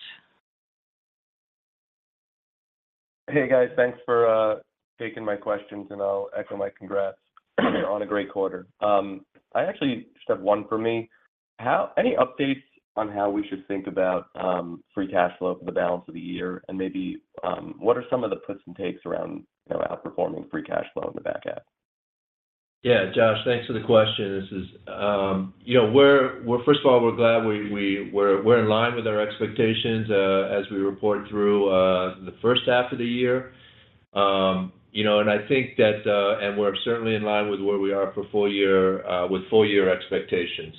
Hey, guys. Thanks for taking my questions, and I'll echo my congrats on a great quarter. I actually just have one for me. Any updates on how we should think about free cash flow for the balance of the year? Maybe what are some of the puts and takes around, you know, outperforming free cash flow in the back half?
Yeah, Josh, thanks for the question. This is, you know, we're, we're, first of all, we're glad we, we, we're, we're in line with our expectations as we report through the first half of the year. You know, I think that, and we're certainly in line with where we are for full year with full year expectations.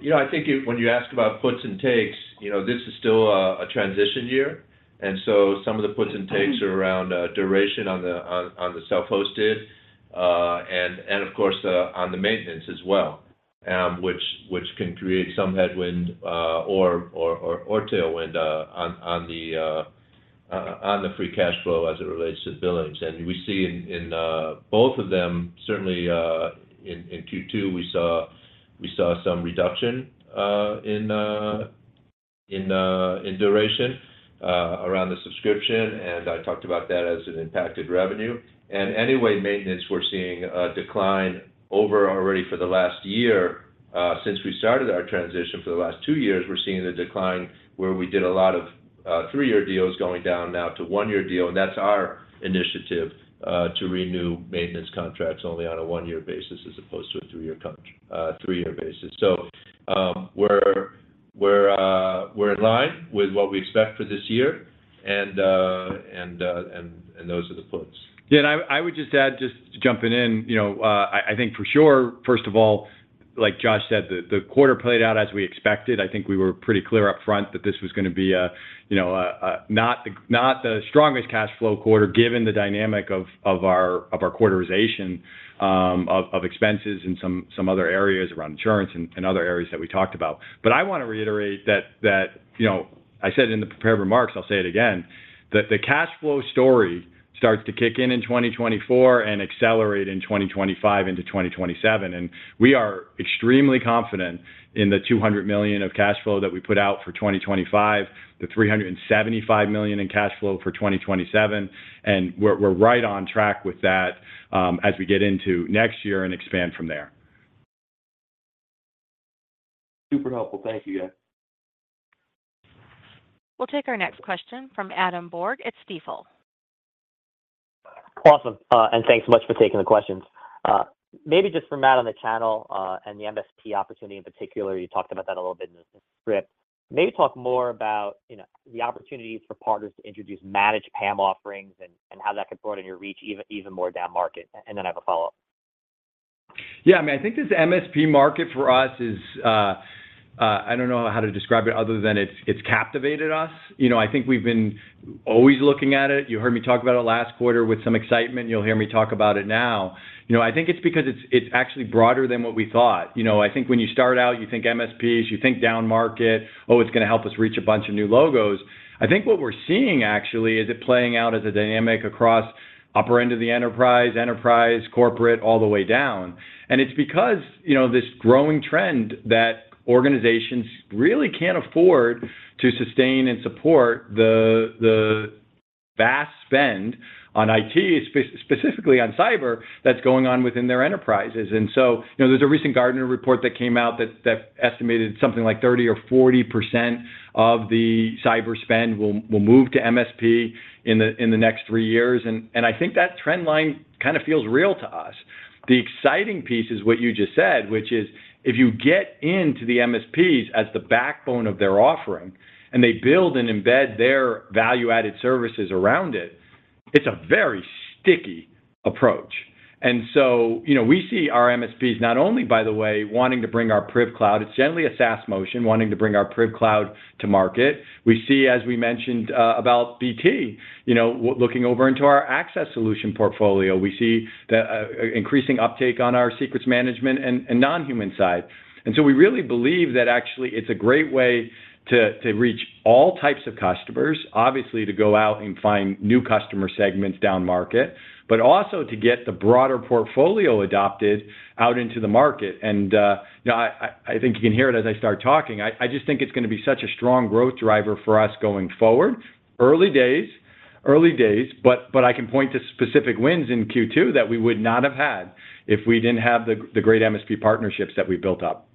You know, I think when you ask about puts and takes, you know, this is still a, a transition year, and so some of the puts and takes are around duration on the, on, on the self-hosted, and, and of course, on the maintenance as well, which, which can create some headwind or, or, or, or tailwind on the, on, on the free cash flow as it relates to billings. We see in, in both of them, certainly, in Q2, we saw, we saw some reduction in duration around the subscription, and I talked about that as it impacted revenue. Anyway, maintenance, we're seeing a decline over already for the last year. Since we started our transition for the last two years, we're seeing the decline where we did a lot of three-year deals going down now to one-year deal, and that's our initiative to renew maintenance contracts only on a one-year basis as opposed to a two-year count, three-year basis. We're, we're in line with what we expect for this year, and those are the puts.
Yeah, I, I would just add, just jumping in, you know, I, I think for sure, first of all, like Josh said, the, the quarter played out as we expected. I think we were pretty clear up front that this was gonna be a, you know, a, a, not the, not the strongest cash flow quarter, given the dynamic of, of our, of our quarterization, of, of expenses in some, some other areas around insurance and, and other areas that we talked about. I want to reiterate that, that, you know, I said in the prepared remarks, I'll say it again, that the cash flow story starts to kick in in 2024 and accelerate in 2025 into 2027. We are extremely confident in the $200,000,000 of cash flow that we put out for 2025, the $375,000,000 in cash flow for 2027, and we're, we're right on track with that as we get into next year and expand from there.
Super helpful. Thank you, guys.
We'll take our next question from Adam Borg at Stifel.
Awesome, thanks so much for taking the questions. Maybe just for Matt on the channel, and the MSP opportunity in particular, you talked about that a little bit in the script. Maybe talk more about, you know, the opportunities for partners to introduce managed PAM offerings and, and how that could broaden your reach even, even more down market, and then I have a follow-up.
Yeah, I mean, I think this MSP market for us is, I don't know how to describe it other than it's, it's captivated us. You know, I think we've always looking at it. You heard me talk about it last quarter with some excitement, you'll hear me talk about it now. You know, I think it's because it's, it's actually broader than what we thought. You know, I think when you start out, you think MSPs, you think down-market, "Oh, it's gonna help us reach a bunch of new logos." I think what we're seeing actually is it playing out as a dynamic across upper end of the enterprise, enterprise, corporate, all the way down. It's because, you know, this growing trend that organizations really can't afford to sustain and support the, the vast spend on IT, specifically on cyber, that's going on within their enterprises. You know, there's a recent Gartner report that came out that, that estimated something like 30% or 40% of the cyber spend will, will move to MSP in the, in the next 3 years. I think that trend line kind of feels real to us. The exciting piece is what you just said, which is, if you get into the MSPs as the backbone of their offering, and they build and embed their value-added services around it, it's a very sticky approach. You know, we see our MSPs not only, by the way, wanting to bring our PrivCloud, it's generally a SaaS motion, wanting to bring our PrivCloud to market. We see, as we mentioned, about BT, you know, looking over into our access solution portfolio. We see the increasing uptake on our secrets management and non-human side. So we really believe that actually it's a great way to reach all types of customers, obviously, to go out and find new customer segments down-market, but also to get the broader portfolio adopted out into the market. You know, I think you can hear it as I start talking, I just think it's gonna be such a strong growth driver for us going forward. Early days, early days, but I can point to specific wins in Q2 that we would not have had if we didn't have the great MSP partnerships that we built up.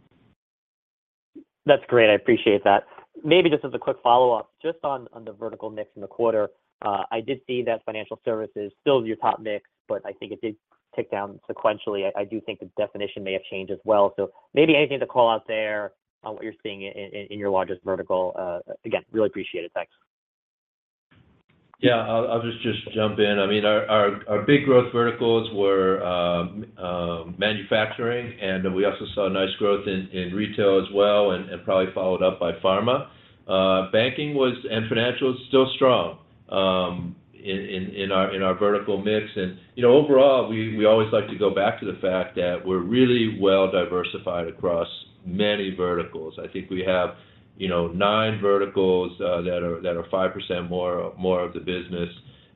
That's great. I appreciate that. Maybe just as a quick follow-up, just on, on the vertical mix in the quarter, I did see that financial services is still your top mix, but I think it did tick down sequentially. I, I do think the definition may have changed as well. Maybe anything to call out there on what you're seeing in, in, in your largest vertical. Again, really appreciate it. Thanks.
Yeah, I'll, I'll just, just jump in. I mean, our, our, our big growth verticals were manufacturing, and we also saw nice growth in, in retail as well, and, and probably followed up by pharma. Banking was, and financial is still strong, in, in, in our, in our vertical mix. You know, overall, we, we always like to go back to the fact that we're really well diversified across many verticals. I think we have, you know, nine verticals that are- that are 5% more, more of the business,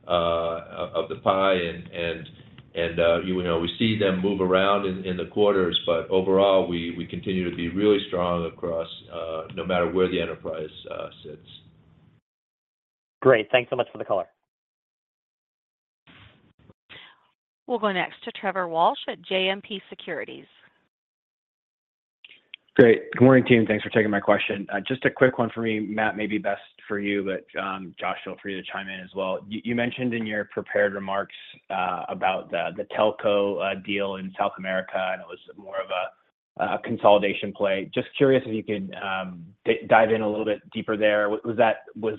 of, of the pie. You know, we see them move around in, in the quarters, but overall, we, we continue to be really strong across no matter where the enterprise sits.
Great. Thanks so much for the color.
We'll go next to Trevor Walsh at JMP Securities.
Great. Good morning, team. Thanks for taking my question. Just a quick one for me, Matt, may be best for you, but Josh, feel free to chime in as well. You, you mentioned in your prepared remarks about the, the telco deal in South America, and it was more of a, a consolidation play. Just curious if you could dive in a little bit deeper there. Was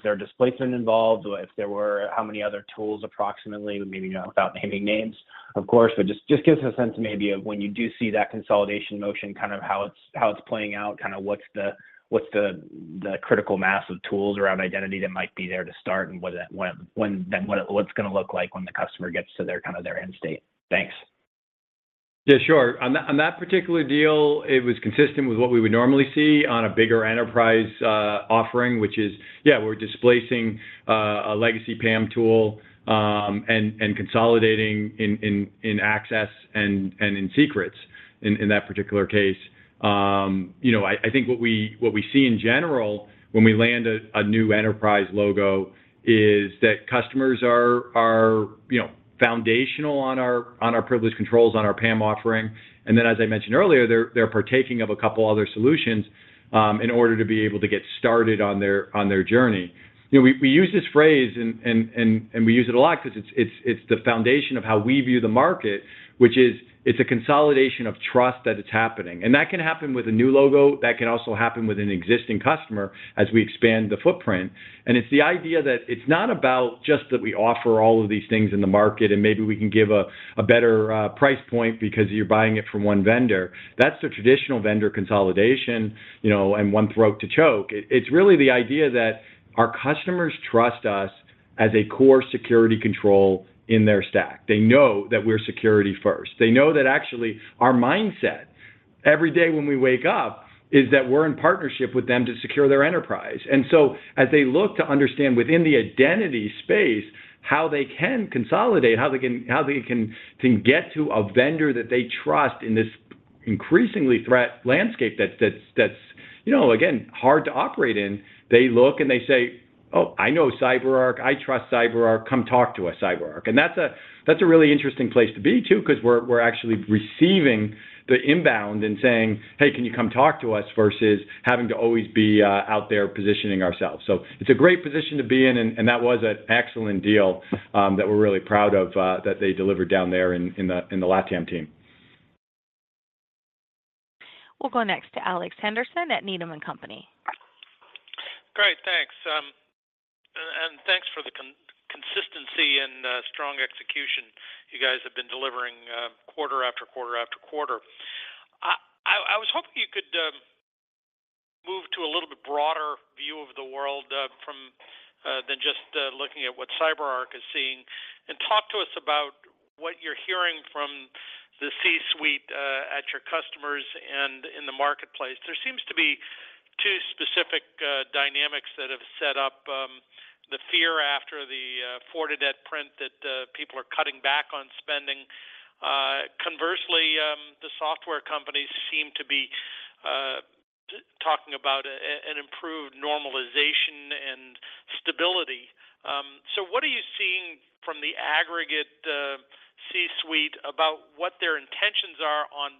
there displacement involved, or if there were, how many other tools, approximately, maybe, you know, without naming names, of course? Just, just gives us a sense maybe of when you do see that consolidation motion, kind of how it's playing out, kind of what's the, the critical mass of tools around identity that might be there to start, and what that... When, what it's gonna look like when the customer gets to their, kind of their end state. Thanks.
Yeah, sure. On that, on that particular deal, it was consistent with what we would normally see on a bigger enterprise offering, which is, yeah, we're displacing a legacy PAM tool, and consolidating in access and in secrets in that particular case. You know, I think what we see in general when we land a new enterprise logo is that customers are, are, you know, foundational on our privileged controls, on our PAM offering. Then, as I mentioned earlier, they're, they're partaking of a couple other solutions in order to be able to get started on their journey. You know, we, we use this phrase, and, and, and, and we use it a lot 'cause it's, it's, it's the foundation of how we view the market, which is it's a consolidation of trust that it's happening. That can happen with a new logo, that can also happen with an existing customer as we expand the footprint. It's the idea that it's not about just that we offer all of these things in the market, and maybe we can give a, a better price point because you're buying it from one vendor. That's the traditional vendor consolidation, you know, and one throat to choke. It, it's really the idea that our customers trust us as a core security control in their stack. They know that we're security first. They know that, actually, our mindset every day when we wake up is that we're in partnership with them to secure their enterprise. So as they look to understand within the identity space, how they can consolidate, how they can, can get to a vendor that they trust in this increasingly threat landscape that's, that's, that's, you know, again, hard to operate in, they look and they say: "Oh, I know CyberArk. I trust CyberArk. Come talk to us, CyberArk." That's a, that's a really interesting place to be, too, 'cause we're, we're actually receiving the inbound and saying: "Hey, can you come talk to us?" Versus having to always be out there positioning ourselves. It's a great position to be in, and, and that was an excellent deal that we're really proud of that they delivered down there in the Latam team.
We'll go next to Alex Henderson at Needham & Company.
Great, thanks. Thanks for the con- consistency and strong execution you guys have been delivering, quarter, after quarter, after quarter. I, I was hoping you could move to a little bit broader view of the world, from than just looking at what CyberArk is seeing. Talk to us about what you're hearing from the C-suite at your customers and in the marketplace. There seems to be two specific dynamics that have set up the fear after the Fortinet print, that people are cutting back on spending. Conversely, the software companies seem to be talking about a an improved normalization and stability. What are you seeing from the aggregate C-suite about what their intentions are on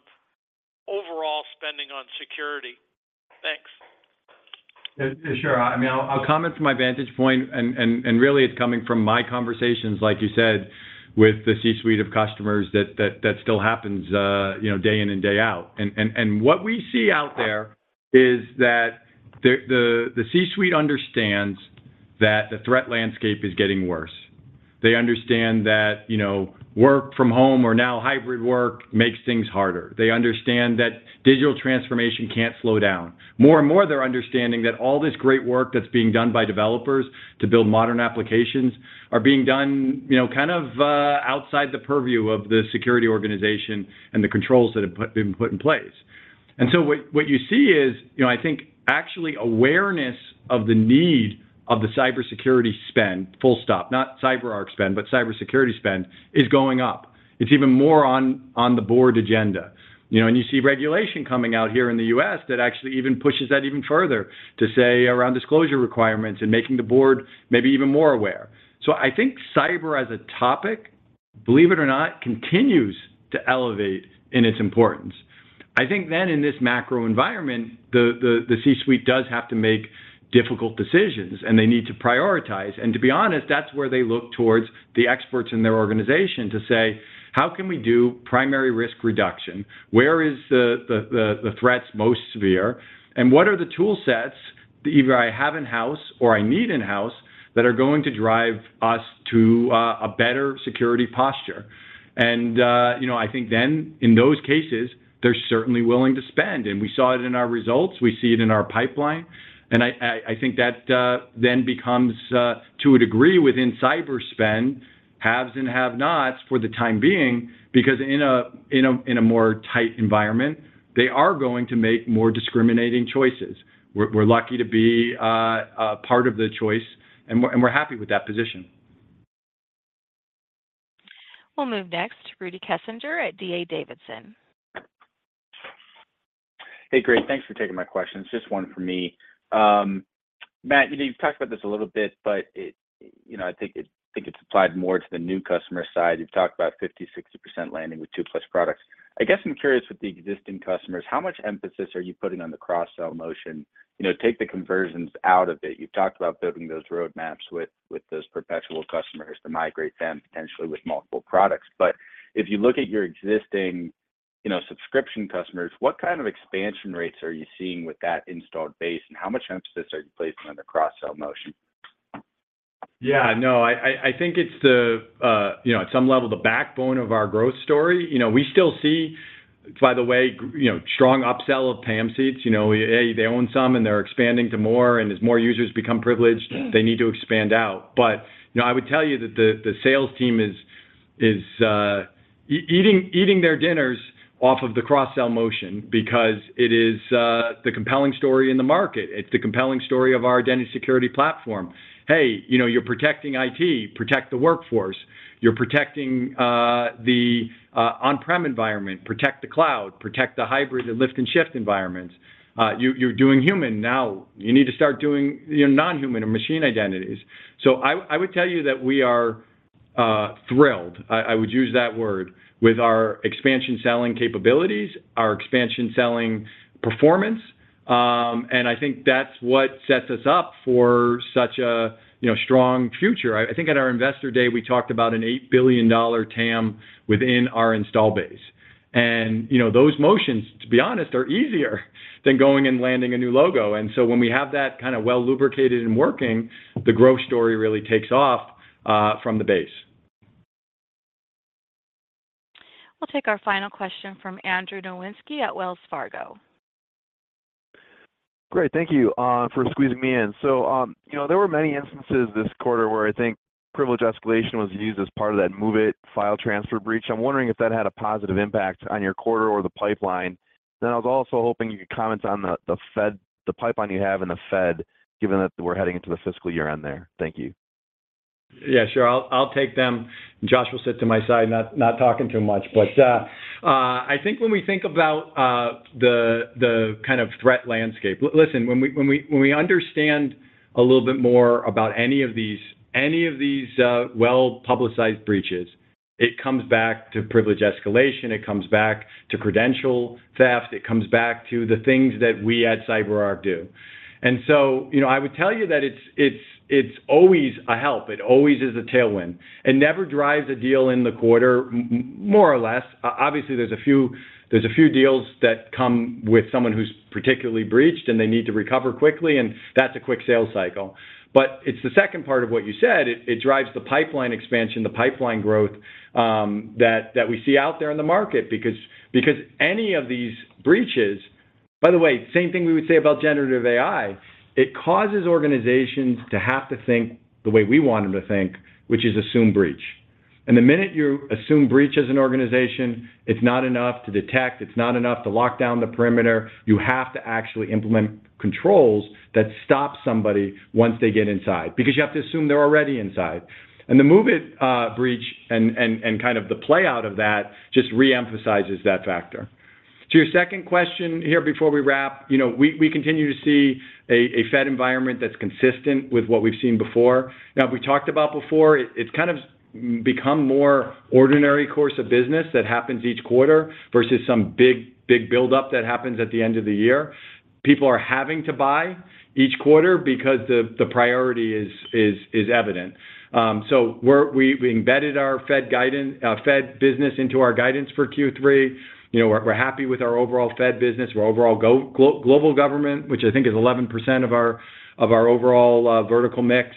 overall spending on security? Thanks.
Sure. I mean, I'll, I'll comment from my vantage point, and, and, and really, it's coming from my conversations, like you said, with the C-suite of customers that, that, that still happens, you know, day in and day out. and, and, and what we see out there is that the, the, the C-suite understands that the threat landscape is getting worse. They understand that, you know, work from home or now hybrid work makes things harder. They understand that digital transformation can't slow down. More and more, they're understanding that all this great work that's being done by developers to build modern applications are being done, you know, kind of, outside the purview of the security organization and the controls that have put- been put in place. What, what you see is, you know, I think actually awareness of the need of the cybersecurity spend, full stop, not CyberArk spend, but cybersecurity spend, is going up. It's even more on, on the board agenda. You know, you see regulation coming out here in the U.S. that actually even pushes that even further, to say, around disclosure requirements and making the board maybe even more aware. I think cyber as a topic, believe it or not, continues to elevate in its importance. I think in this macro environment, the, the, the C-suite does have to make difficult decisions, and they need to prioritize. To be honest, that's where they look towards the experts in their organization to say: How can we do primary risk reduction? Where is the, the, the, the threats most severe? What are the tool sets that either I have in-house or I need in-house, that are going to drive us to a better security posture? You know, I think then, in those cases, they're certainly willing to spend, and we saw it in our results, we see it in our pipeline. I think that then becomes to a degree within cyber spend, haves and have-nots for the time being, because in a, in a, in a more tight environment, they are going to make more discriminating choices. We're, we're lucky to be a part of the choice, and we're, and we're happy with that position.
We'll move next to Rudy Kessinger at D.A. Davidson.
Hey, great. Thanks for taking my questions. Just one from me. Matt, you know, you've talked about this a little bit, but it... You know, I think it's applied more to the new customer side. You've talked about 50%, 60% landing with two-plus products. I guess I'm curious with the existing customers, how much emphasis are you putting on the cross-sell motion? You know, take the conversions out of it. You've talked about building those roadmaps with, with those perpetual customers to migrate them potentially with multiple products. If you look at your existing, you know, subscription customers, what kind of expansion rates are you seeing with that installed base, and how much emphasis are you placing on the cross-sell motion?
Yeah, no, I, I, I think it's the, you know, at some level, the backbone of our growth story. You know, we still see, by the way, you know, strong upsell of PAM suites. You know, A, they own some, and they're expanding to more, and as more users become privileged, they need to expand out. You know, I would tell you that the, the sales team is, is, eating, eating their dinners off of the cross-sell motion because it is, the compelling story in the market. It's the compelling story of our Identity Security Platform. "Hey, you know, you're protecting IT, protect the workforce. You're protecting, the, on-prem environment, protect the cloud, protect the hybrid and lift-and-shift environments. you, you're doing human, now you need to start doing your non-human or machine identities." I, I would tell you that we are thrilled, I, I would use that word, with our expansion selling capabilities, our expansion selling performance, and I think that's what sets us up for such a, you know, strong future. I, I think at our Investor Day, we talked about an $8,000,000,000 TAM within our install base. you know, those motions, to be honest, are easier than going and landing a new logo. when we have that kind of well-lubricated and working, the growth story really takes off from the base.
We'll take our final question from Andrew Nowinski at Wells Fargo.
Great, thank you, for squeezing me in. You know, there were many instances this quarter where I think privilege escalation was used as part of that MOVEit file transfer breach. I'm wondering if that had a positive impact on your quarter or the pipeline. I was also hoping you could comment on the pipeline you have in the Fed, given that we're heading into the fiscal year-end there. Thank you.
Yeah, sure. I'll, I'll take them. Josh will sit to my side, not, not talking too much. I think when we think about the kind of threat landscape... Listen, when we, when we, when we understand a little bit more about any of these, any of these well-publicized breaches, it comes back to privilege escalation, it comes back to credential theft, it comes back to the things that we at CyberArk do. So, you know, I would tell you that it's always a help. It always is a tailwind. It never drives a deal in the quarter, more or less. Obviously, there's a few, there's a few deals that come with someone who's particularly breached, and they need to recover quickly, and that's a quick sales cycle. It's the second part of what you said, it, it drives the pipeline expansion, the pipeline growth, that, that we see out there in the market, because, because any of these breaches. By the way, same thing we would say about generative AI, it causes organizations to have to think the way we want them to think, which is assume breach. The minute you assume breach as an organization, it's not enough to detect, it's not enough to lock down the perimeter. You have to actually implement controls that stop somebody once they get inside, because you have to assume they're already inside. The MOVEit breach and, and, and kind of the play-out of that, just re-emphasizes that factor. To your second question here before we wrap, you know, we, we continue to see a, a Fed environment that's consistent with what we've seen before. Now, we talked about before, it's kind of become more ordinary course of business that happens each quarter versus some big, big buildup that happens at the end of the year. People are having to buy each quarter because the, the priority is, is, is evident. So we, we embedded our Fed guidance, Fed business into our guidance for Q3. You know, we're, we're happy with our overall Fed business, our overall global government, which I think is 11% of our, of our overall vertical mix.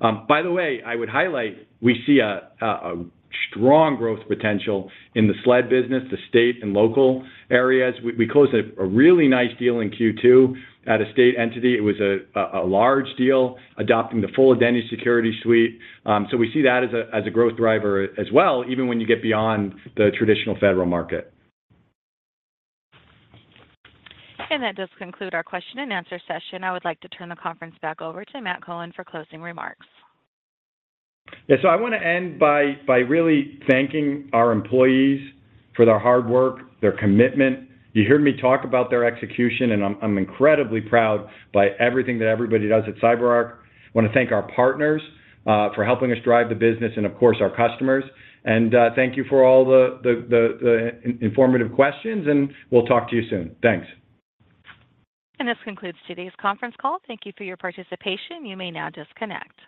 By the way, I would highlight, we see a, a, a strong growth potential in the SLED business, the state and local areas. We, we closed a, a really nice deal in Q2 at a state entity. It was a, a large deal, adopting the full identity security suite. We see that as a, as a growth driver as well, even when you get beyond the traditional Federal market.
That does conclude our question and answer session. I would like to turn the conference back over to Matt Cohen for closing remarks.
Yeah, I want to end by, by really thanking our employees for their hard work, their commitment. You heard me talk about their execution, and I'm, I'm incredibly proud by everything that everybody does at CyberArk. I want to thank our partners for helping us drive the business and, of course, our customers. Thank you for all the, the, the, the informative questions, and we'll talk to you soon. Thanks.
This concludes today's conference call. Thank you for your participation. You may now disconnect.